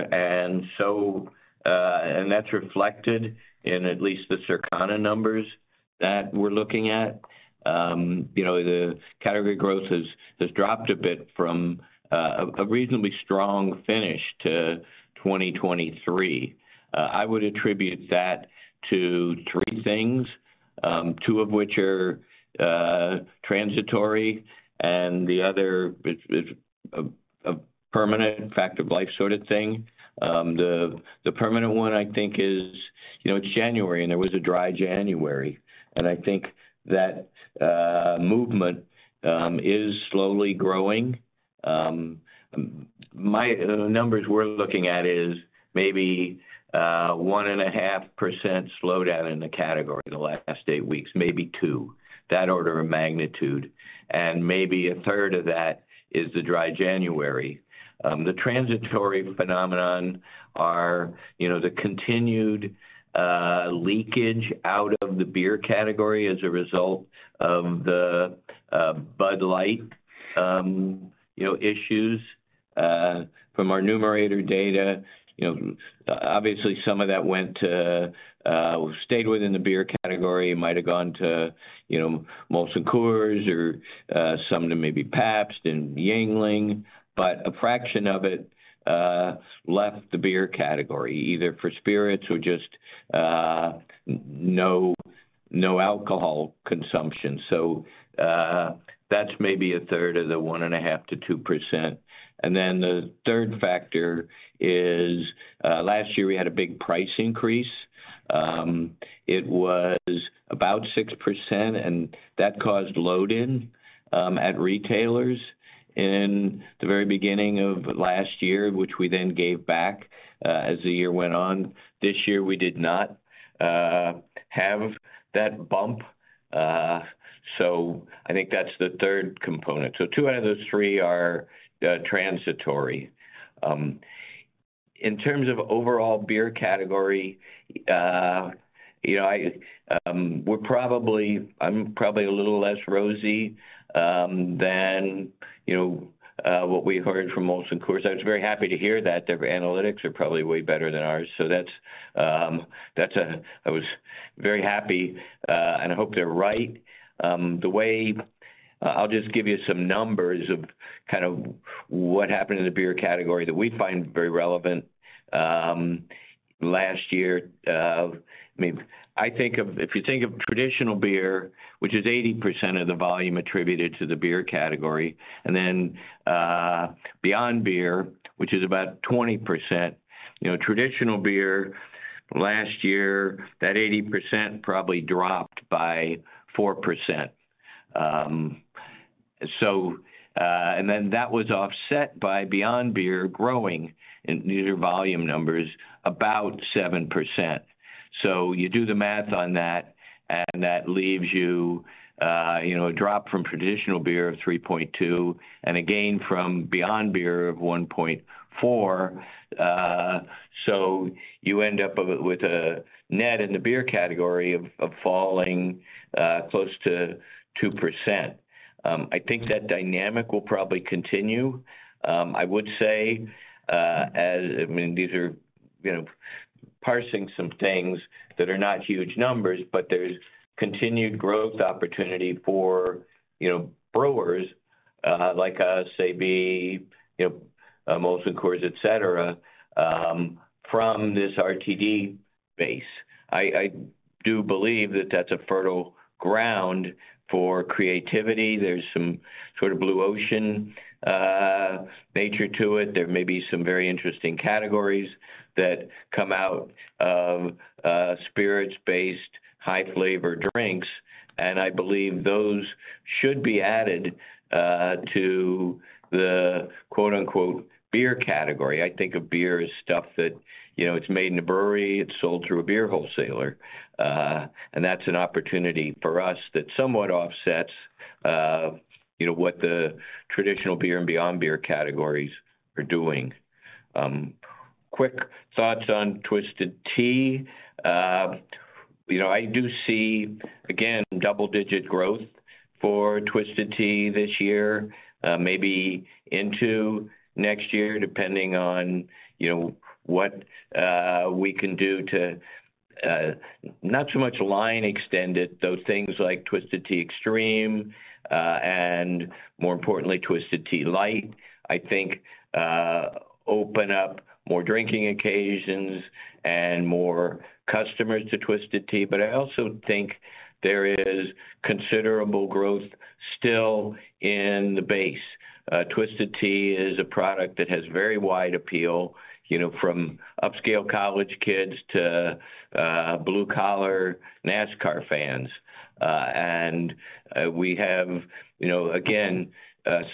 That's reflected in at least the Circana numbers that we're looking at. The category growth has dropped a bit from a reasonably strong finish to 2023. I would attribute that to three things, two of which are transitory and the other is a permanent fact of life sort of thing. The permanent one, I think, is it's January, and there was a Dry January. I think that movement is slowly growing. My numbers we're looking at is maybe 1.5% slowdown in the category the last 8 weeks, maybe 2%, that order of magnitude. Maybe a third of that is the Dry January. The transitory phenomenon are the continued leakage out of the beer category as a result of the Bud Light issues from our numerator data. Obviously, some of that stayed within the beer category, might have gone to Molson Coors or some to maybe Pabst and Yuengling. But a fraction of it left the beer category, either for spirits or just no alcohol consumption. So that's maybe a third of the 1.5%-2%. And then the third factor is last year, we had a big price increase. It was about 6%, and that caused load-in at retailers in the very beginning of last year, which we then gave back as the year went on. This year, we did not have that bump. So I think that's the third component. So two out of those three are transitory. In terms of overall beer category, we're probably a little less rosy than what we heard from Molson Coors. I was very happy to hear that their analytics are probably way better than ours. So I was very happy, and I hope they're right. I'll just give you some numbers of kind of what happened in the beer category that we find very relevant last year. I mean, if you think of traditional beer, which is 80% of the volume attributed to the beer category, and then Beyond Beer, which is about 20%, traditional beer last year, that 80% probably dropped by 4%. And then that was offset by Beyond Beer growing in these are volume numbers about 7%. So you do the math on that, and that leaves you a drop from traditional beer of 3.2 and a gain from Beyond Beer of 1.4. So you end up with a net in the beer category of falling close to 2%. I think that dynamic will probably continue, I would say, as I mean, these are parsing some things that are not huge numbers, but there's continued growth opportunity for brewers like us, ABV Molson Coors, et cetera, from this RTD base. I do believe that that's a fertile ground for creativity. There's some sort of blue ocean nature to it. There may be some very interesting categories that come out of spirits-based high-flavor drinks. And I believe those should be added to the "beer" category. I think of beer as stuff that it's made in a brewery. It's sold through a beer wholesaler. And that's an opportunity for us that somewhat offsets what the traditional beer and beyond beer categories are doing. Quick thoughts on Twisted Tea. I do see, again, double-digit growth for Twisted Tea this year, maybe into next year, depending on what we can do to not so much line extend it, though things like Twisted Tea Extreme and, more importantly, Twisted Tea Light, I think, open up more drinking occasions and more customers to Twisted Tea. But I also think there is considerable growth still in the base. Twisted Tea is a product that has very wide appeal, from upscale college kids to blue-collar NASCAR fans. And we have, again,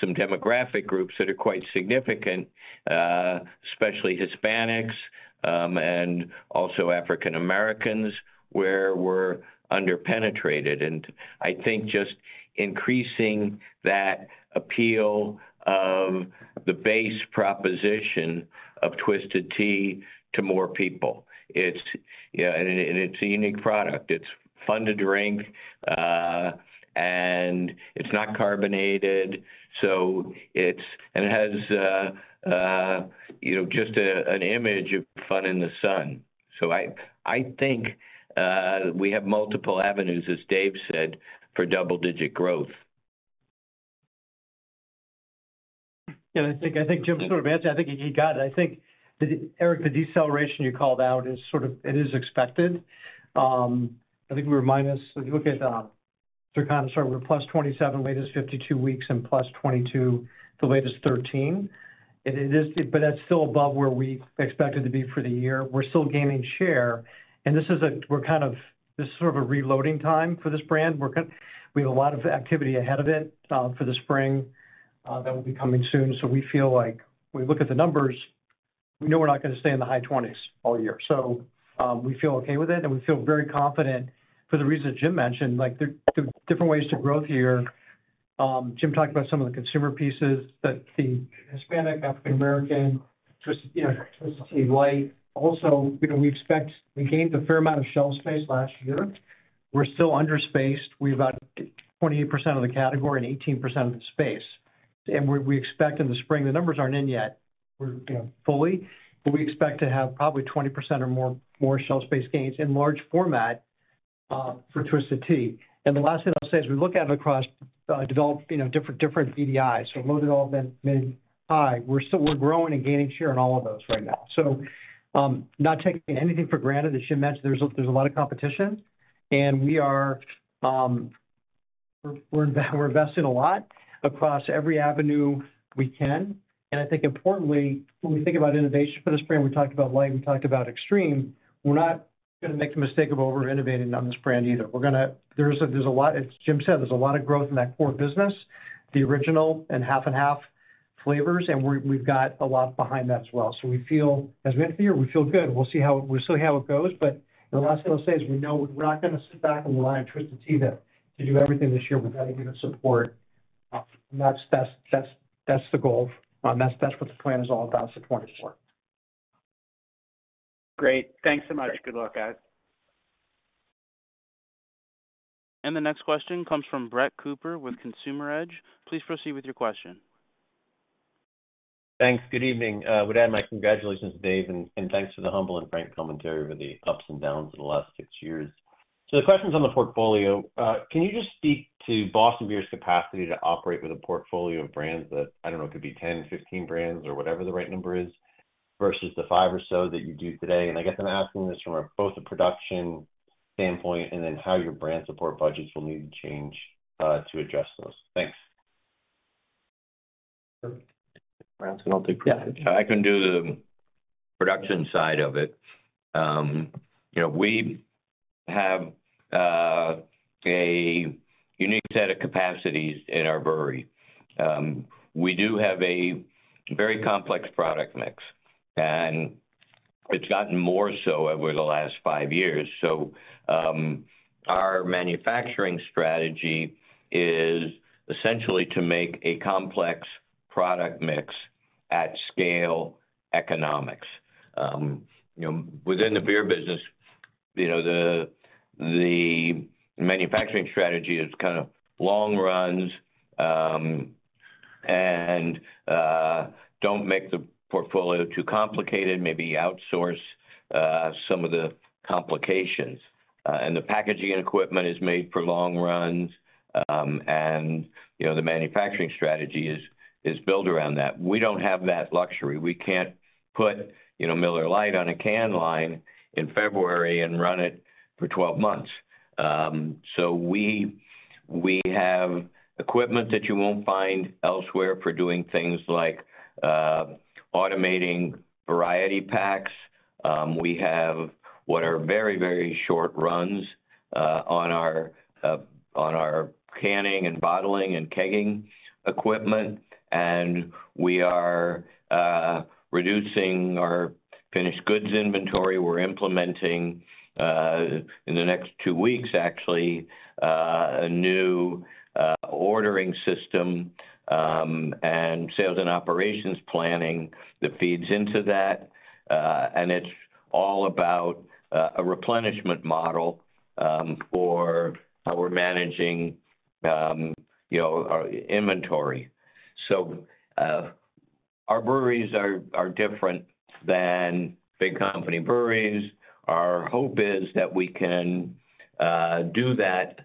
some demographic groups that are quite significant, especially Hispanics and also African-Americans, where we're underpenetrated. And I think just increasing that appeal of the base proposition of Twisted Tea to more people, and it's a unique product. It's fun to drink, and it's not carbonated, and it has just an image of fun in the sun. So I think we have multiple avenues, as Dave said, for double-digit growth. Yeah, I think Jim sort of answered. I think he got it. I think, Eric, the deceleration you called out is sort of it is expected. I think we were minus if you look at Circana start, we were +27, latest 52 weeks, and +22, the latest 13. But that's still above where we expected to be for the year. We're still gaining share. And this is sort of a reloading time for this brand. We have a lot of activity ahead of it for the spring that will be coming soon. So we feel like we look at the numbers, we know we're not going to stay in the high 20s all year. We feel okay with it, and we feel very confident for the reasons Jim mentioned. There are different ways to grow here. Jim talked about some of the consumer pieces, the Hispanic, African-American, Twisted Tea Light. Also, we expect we gained a fair amount of shelf space last year. We're still under spaced. We've got 28% of the category and 18% of the space. And we expect in the spring the numbers aren't in yet fully, but we expect to have probably 20% or more shelf space gains in large format for Twisted Tea. And the last thing I'll say is we look at it across different developed BDIs, so low, developed, mid, high. We're growing and gaining share in all of those right now. So not taking anything for granted. As Jim mentioned, there's a lot of competition, and we're investing a lot across every avenue we can. I think, importantly, when we think about innovation for this brand, we talked about Light, we talked about Extreme. We're not going to make the mistake of over-innovating on this brand either. There's a lot as Jim said, there's a lot of growth in that core business, the original and half-and-half flavors, and we've got a lot behind that as well. So as we enter the year, we feel good. We'll see how it goes. But the last thing I'll say is we know we're not going to sit back and rely on Twisted Tea to do everything this year. We've got to give it support. That's the goal. That's what the plan is all about for 2024. Great. Thanks so much. Good luck, guys. And the next question comes from Brett Cooper with Consumer Edge. Please proceed with your question. Thanks. Good evening. I would add my congratulations to Dave, and thanks for the humble and frank commentary over the ups and downs of the last six years. So the question's on the portfolio. Can you just speak to Boston Beer's capacity to operate with a portfolio of brands that I don't know, it could be 10, 15 brands or whatever the right number is versus the five or so that you do today? And I guess I'm asking this from both a production standpoint and then how your brand support budgets will need to change to address those. Thanks. Perfect. I'll take production. Yeah, I can do the production side of it. We have a unique set of capacities in our brewery. We do have a very complex product mix, and it's gotten more so over the last five years. So our manufacturing strategy is essentially to make a complex product mix at scale economics. Within the beer business, the manufacturing strategy is kind of long runs and don't make the portfolio too complicated, maybe outsource some of the complications. And the packaging and equipment is made for long runs, and the manufacturing strategy is built around that. We don't have that luxury. We can't put Miller Lite on a can line in February and run it for 12 months. So we have equipment that you won't find elsewhere for doing things like automating variety packs. We have what are very, very short runs on our canning and bottling and kegging equipment. And we are reducing our finished goods inventory. We're implementing, in the next two weeks, actually, a new ordering system and sales and operations planning that feeds into that. And it's all about a replenishment model for how we're managing our inventory. So our breweries are different than big company breweries. Our hope is that we can do that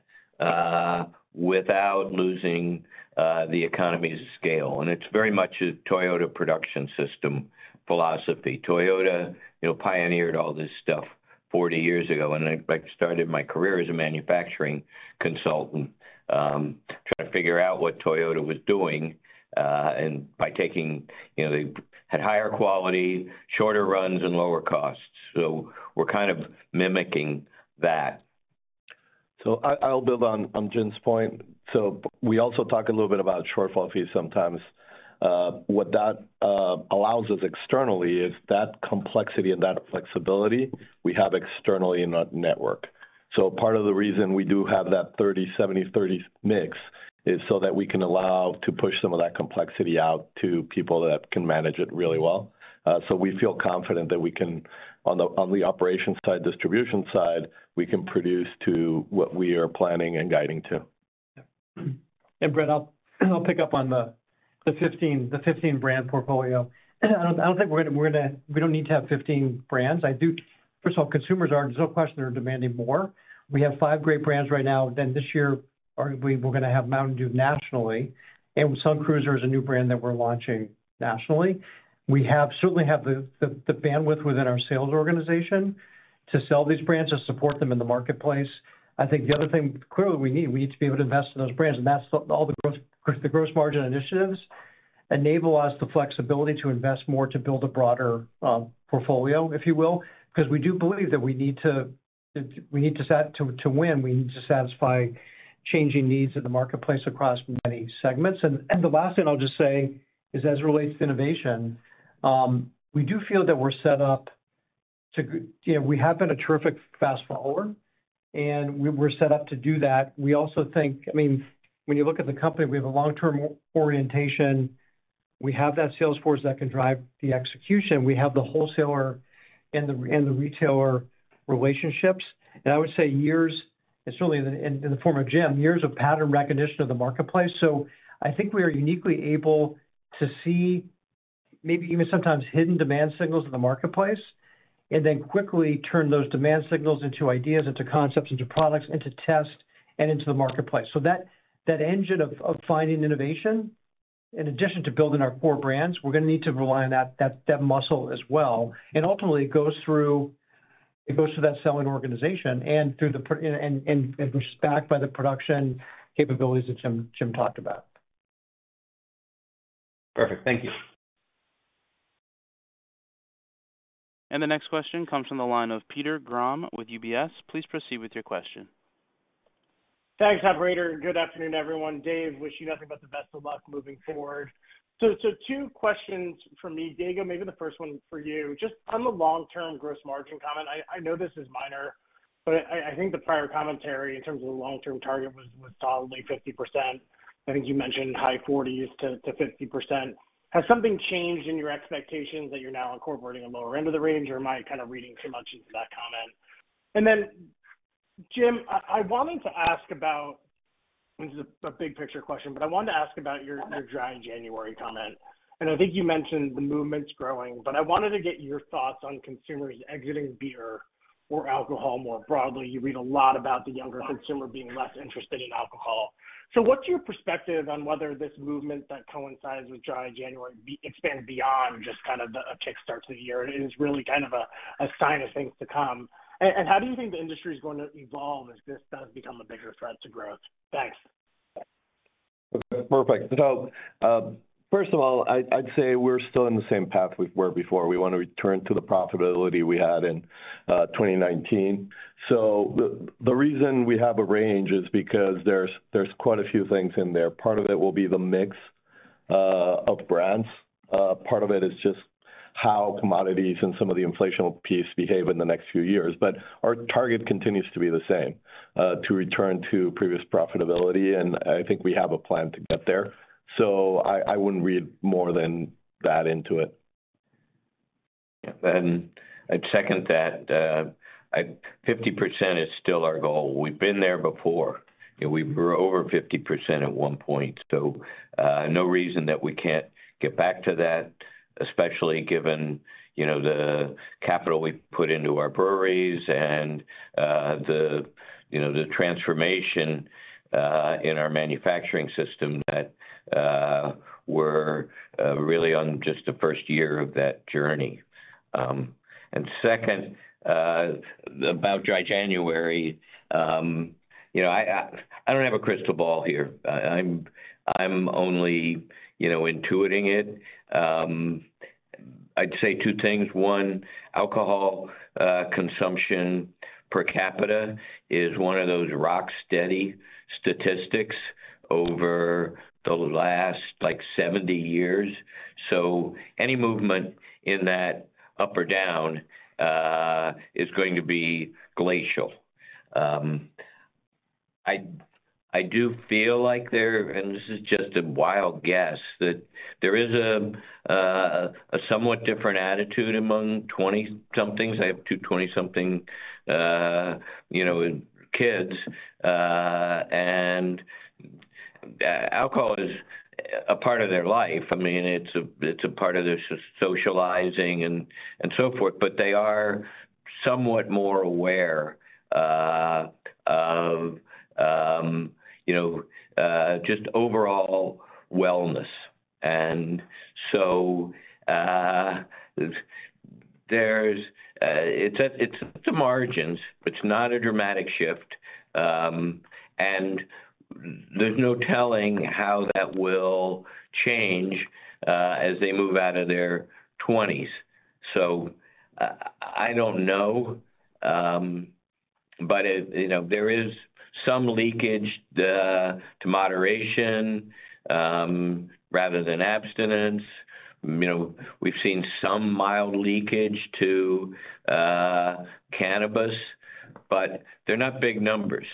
without losing the economy's scale. And it's very much a Toyota Production System philosophy. Toyota pioneered all this stuff 40 years ago. And I started my career as a manufacturing consultant, trying to figure out what Toyota was doing by taking the. Had higher quality, shorter runs, and lower costs. So we're kind of mimicking that. So I'll build on Jim's point. So we also talk a little bit about shortfall fees sometimes. What that allows us externally is that complexity and that flexibility we have externally in our network. So part of the reason we do have that 30-70-30 mix is so that we can allow to push some of that complexity out to people that can manage it really well. So we feel confident that we can, on the operations side, distribution side, we can produce to what we are planning and guiding to. And Brett, I'll pick up on the 15 brand portfolio. I don't think we're going to we don't need to have 15 brands. First of all, consumers are. There's no question they're demanding more. We have five great brands right now. Then this year, we're going to have Mountain Dew nationally, and Sun Cruiser is a new brand that we're launching nationally. We certainly have the bandwidth within our sales organization to sell these brands, to support them in the marketplace. I think the other thing, clearly, we need we need to be able to invest in those brands. And that's all the growth margin initiatives enable us the flexibility to invest more to build a broader portfolio, if you will, because we do believe that we need to we need to win. We need to satisfy changing needs in the marketplace across many segments. And the last thing I'll just say is, as it relates to innovation, we do feel that we're set up to we have been a terrific fast forward, and we're set up to do that. We also think, I mean, when you look at the company, we have a long-term orientation. We have that sales force that can drive the execution. We have the wholesaler and the retailer relationships. And I would say years, and certainly in the form of Jim, years of pattern recognition of the marketplace. So I think we are uniquely able to see maybe even sometimes hidden demand signals in the marketplace and then quickly turn those demand signals into ideas, into concepts, into products, into test, and into the marketplace. So that engine of finding innovation, in addition to building our core brands, we're going to need to rely on that muscle as well. And ultimately, it goes through that selling organization and through the and backed by the production capabilities that Jim talked about. Perfect. Thank you. And the next question comes from the line of Peter Grom with UBS. Please proceed with your question. Thanks, operator. Good afternoon, everyone. Dave, wish you nothing but the best of luck moving forward. So two questions from me. Diego, maybe the first one for you. Just on the long-term gross margin comment, I know this is minor, but I think the prior commentary in terms of the long-term target was solidly 50%. I think you mentioned high 40s-50%. Has something changed in your expectations that you're now incorporating a lower end of the range, or am I kind of reading too much into that comment? And then, Jim, I wanted to ask about this is a big picture question, but I wanted to ask about your dry January comment. And I think you mentioned the movement's growing, but I wanted to get your thoughts on consumers exiting beer or alcohol more broadly. You read a lot about the younger consumer being less interested in alcohol. So what's your perspective on whether this movement that coincides with dry January expands beyond just kind of a kickstart to the year? It is really kind of a sign of things to come. And how do you think the industry is going to evolve as this does become a bigger threat to growth? Thanks. Perfect. First of all, I'd say we're still in the same path we were before. We want to return to the profitability we had in 2019. The reason we have a range is because there's quite a few things in there. Part of it will be the mix of brands. Part of it is just how commodities and some of the inflation piece behave in the next few years. Our target continues to be the same, to return to previous profitability. I think we have a plan to get there. I wouldn't read more than that into it. Yeah. I'd second that. 50% is still our goal. We've been there before. We were over 50% at one point. So no reason that we can't get back to that, especially given the capital we put into our breweries and the transformation in our manufacturing system that we're really on just the first year of that journey. And second, about dry January, I don't have a crystal ball here. I'm only intuiting it. I'd say two things. One, alcohol consumption per capita is one of those rock-steady statistics over the last 70 years. So any movement in that up or down is going to be glacial. I do feel like there and this is just a wild guess, that there is a somewhat different attitude among 20-somethings. I have two 20-something kids. And alcohol is a part of their life. I mean, it's a part of their socializing and so forth. But they are somewhat more aware of just overall wellness. And so it's at the margins. It's not a dramatic shift. And there's no telling how that will change as they move out of their 20s. So I don't know. But there is some leakage to moderation rather than abstinence. We've seen some mild leakage to cannabis, but they're not big numbers.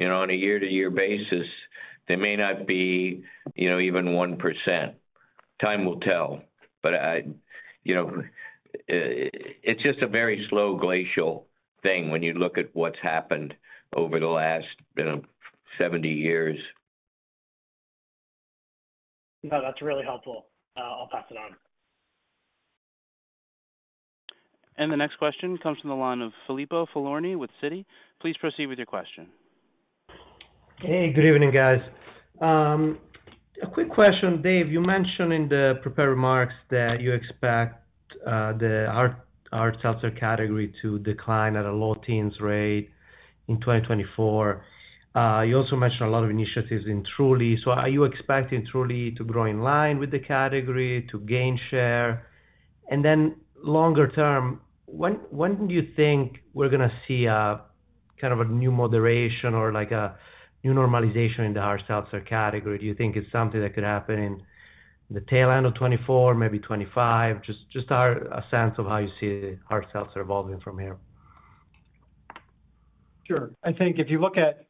On a year-to-year basis, they may not be even 1%. Time will tell. But it's just a very slow glacial thing when you look at what's happened over the last 70 years. No, that's really helpful. I'll pass it on. And the next question comes from the line of Filippo Falorni with Citi. Please proceed with your question. Hey, good evening, guys. A quick question, Dave. You mentioned in the prepared remarks that you expect the hard seltzer category to decline at a low teens rate in 2024. You also mentioned a lot of initiatives in Truly. So are you expecting Truly to grow in line with the category, to gain share? And then longer term, when do you think we're going to see kind of a new moderation or a new normalization in the hard seltzer category? Do you think it's something that could happen in the tail end of 2024, maybe 2025? Just a sense of how you see hard seltzer evolving from here. Sure. I think if you look at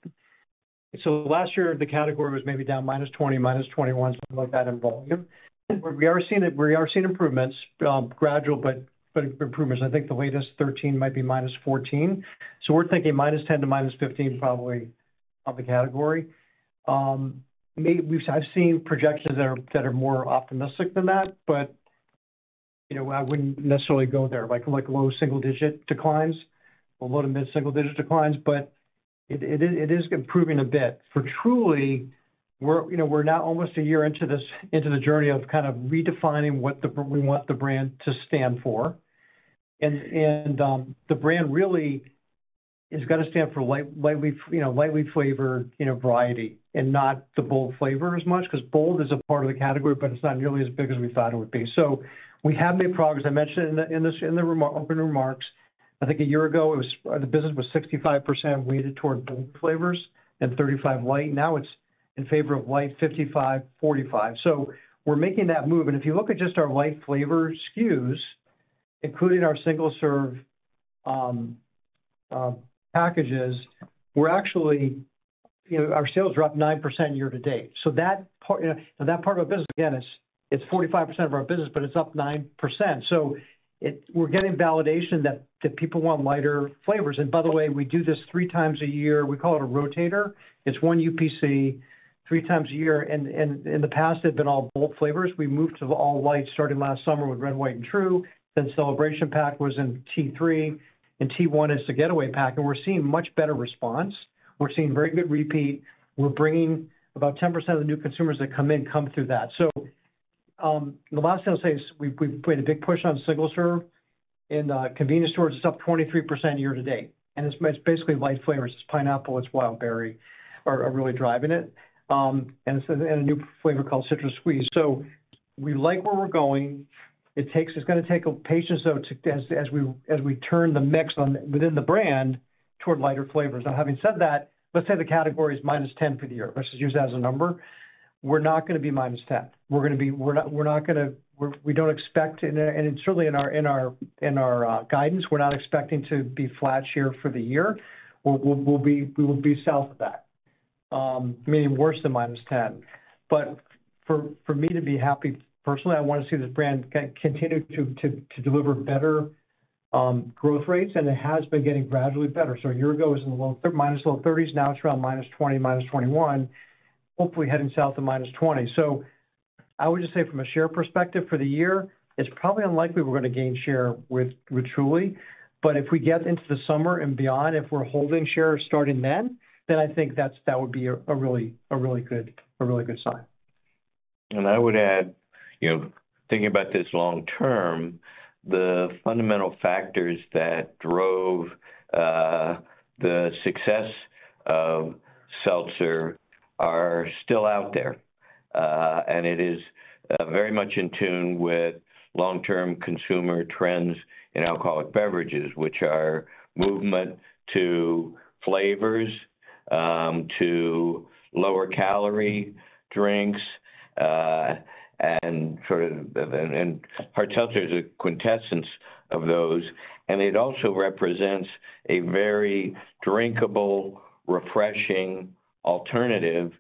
so last year, the category was maybe down -20, -21, something like that in volume. We are seeing improvements, gradual but improvements. I think the latest 13 might be -14. So we're thinking -10 to -15 probably on the category. I've seen projections that are more optimistic than that, but I wouldn't necessarily go there, like low single-digit declines or low to mid-single-digit declines. But it is improving a bit. For Truly, we're now almost a year into the journey of kind of redefining what we want the brand to stand for. The brand really has got to stand for lightly flavored variety and not the bold flavor as much because bold is a part of the category, but it's not nearly as big as we thought it would be. We have made progress. I mentioned it in the opening remarks. I think a year ago, the business was 65% weighted toward bold flavors and 35% light. Now it's in favor of light, 55%, 45%. We're making that move. If you look at just our light flavor SKUs, including our single-serve packages, our sales dropped 9% year to date. That part of our business, again, it's 45% of our business, but it's up 9%. So we're getting validation that people want lighter flavors. And by the way, we do this three times a year. We call it a rotator. It's one UPC three times a year. And in the past, it had been all bold flavors. We moved to all light starting last summer with Red, White, and True. Then Celebration Pack was in T3. And T1 is the Getaway Pack. And we're seeing much better response. We're seeing very good repeat. We're bringing about 10% of the new consumers that come in come through that. So the last thing I'll say is we've made a big push on single-serve. In convenience stores, it's up 23% year to date. And it's basically light flavors. It's pineapple. It's wild berry are really driving it. And it's in a new flavor called Citrus Squeeze. So we like where we're going. It's going to take patience, though, as we turn the mix within the brand toward lighter flavors. Now, having said that, let's say the category is -10% for the year. Let's just use that as a number. We're not going to be -10%. We don't expect, and certainly in our guidance, we're not expecting to be flat share for the year. We'll be south of that, meaning worse than -10%. But for me to be happy, personally, I want to see this brand continue to deliver better growth rates. And it has been getting gradually better. So a year ago was in the low -30s. Now it's around -20, -21, hopefully heading south of -20%. So I would just say from a share perspective for the year, it's probably unlikely we're going to gain share with Truly. But if we get into the summer and beyond, if we're holding share starting then, then I think that would be a really good sign. And I would add, thinking about this long term, the fundamental factors that drove the success of seltzer are still out there. And it is very much in tune with long-term consumer trends in alcoholic beverages, which are movement to flavors, to lower-calorie drinks, and sort of and hard seltzer is a quintessence of those. And it also represents a very drinkable, refreshing alternative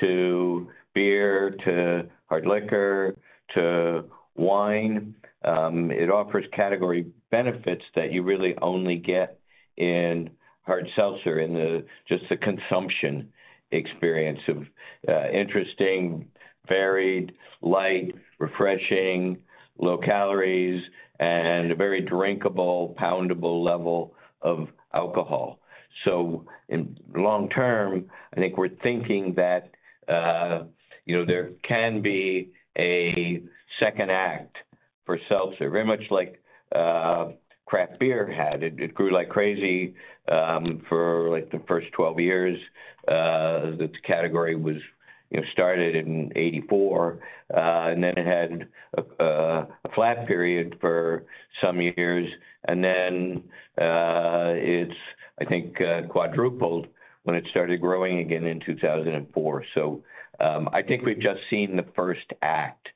to beer, to hard liquor, to wine. It offers category benefits that you really only get in hard seltzer, in just the consumption experience of interesting, varied, light, refreshing, low calories, and a very drinkable, poundable level of alcohol. So long term, I think we're thinking that there can be a second act for seltzer, very much like craft beer had. It grew like crazy for the first 12 years. The category started in 1984. And then it had a flat period for some years. And then it's, I think, quadrupled when it started growing again in 2004. So I think we've just seen the first act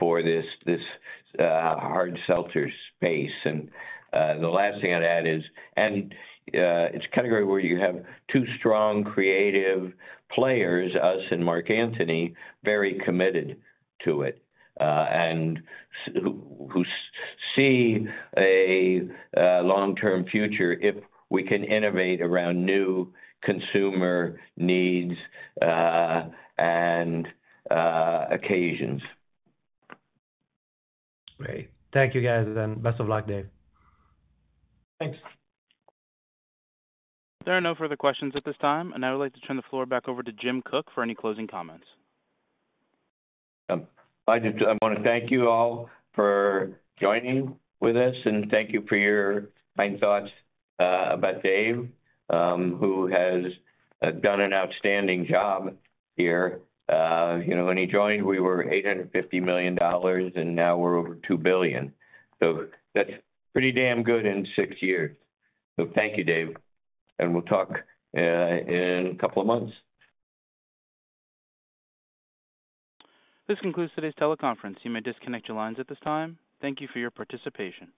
for this hard seltzer space. And the last thing I'd add is and it's a category where you have two strong creative players, us and Mark Anthony, very committed to it and who see a long-term future if we can innovate around new consumer needs and occasions. Great. Thank you, guys. And best of luck, Dave. Thanks. There are no further questions at this time. And I would like to turn the floor back over to Jim Koch for any closing comments. I want to thank you all for joining with us. Thank you for your kind thoughts about Dave, who has done an outstanding job here. When he joined, we were $850 million. Now we're over $2 billion. That's pretty damn good in six years. Thank you, Dave. We'll talk in a couple of months. This concludes today's teleconference. You may disconnect your lines at this time. Thank you for your participation.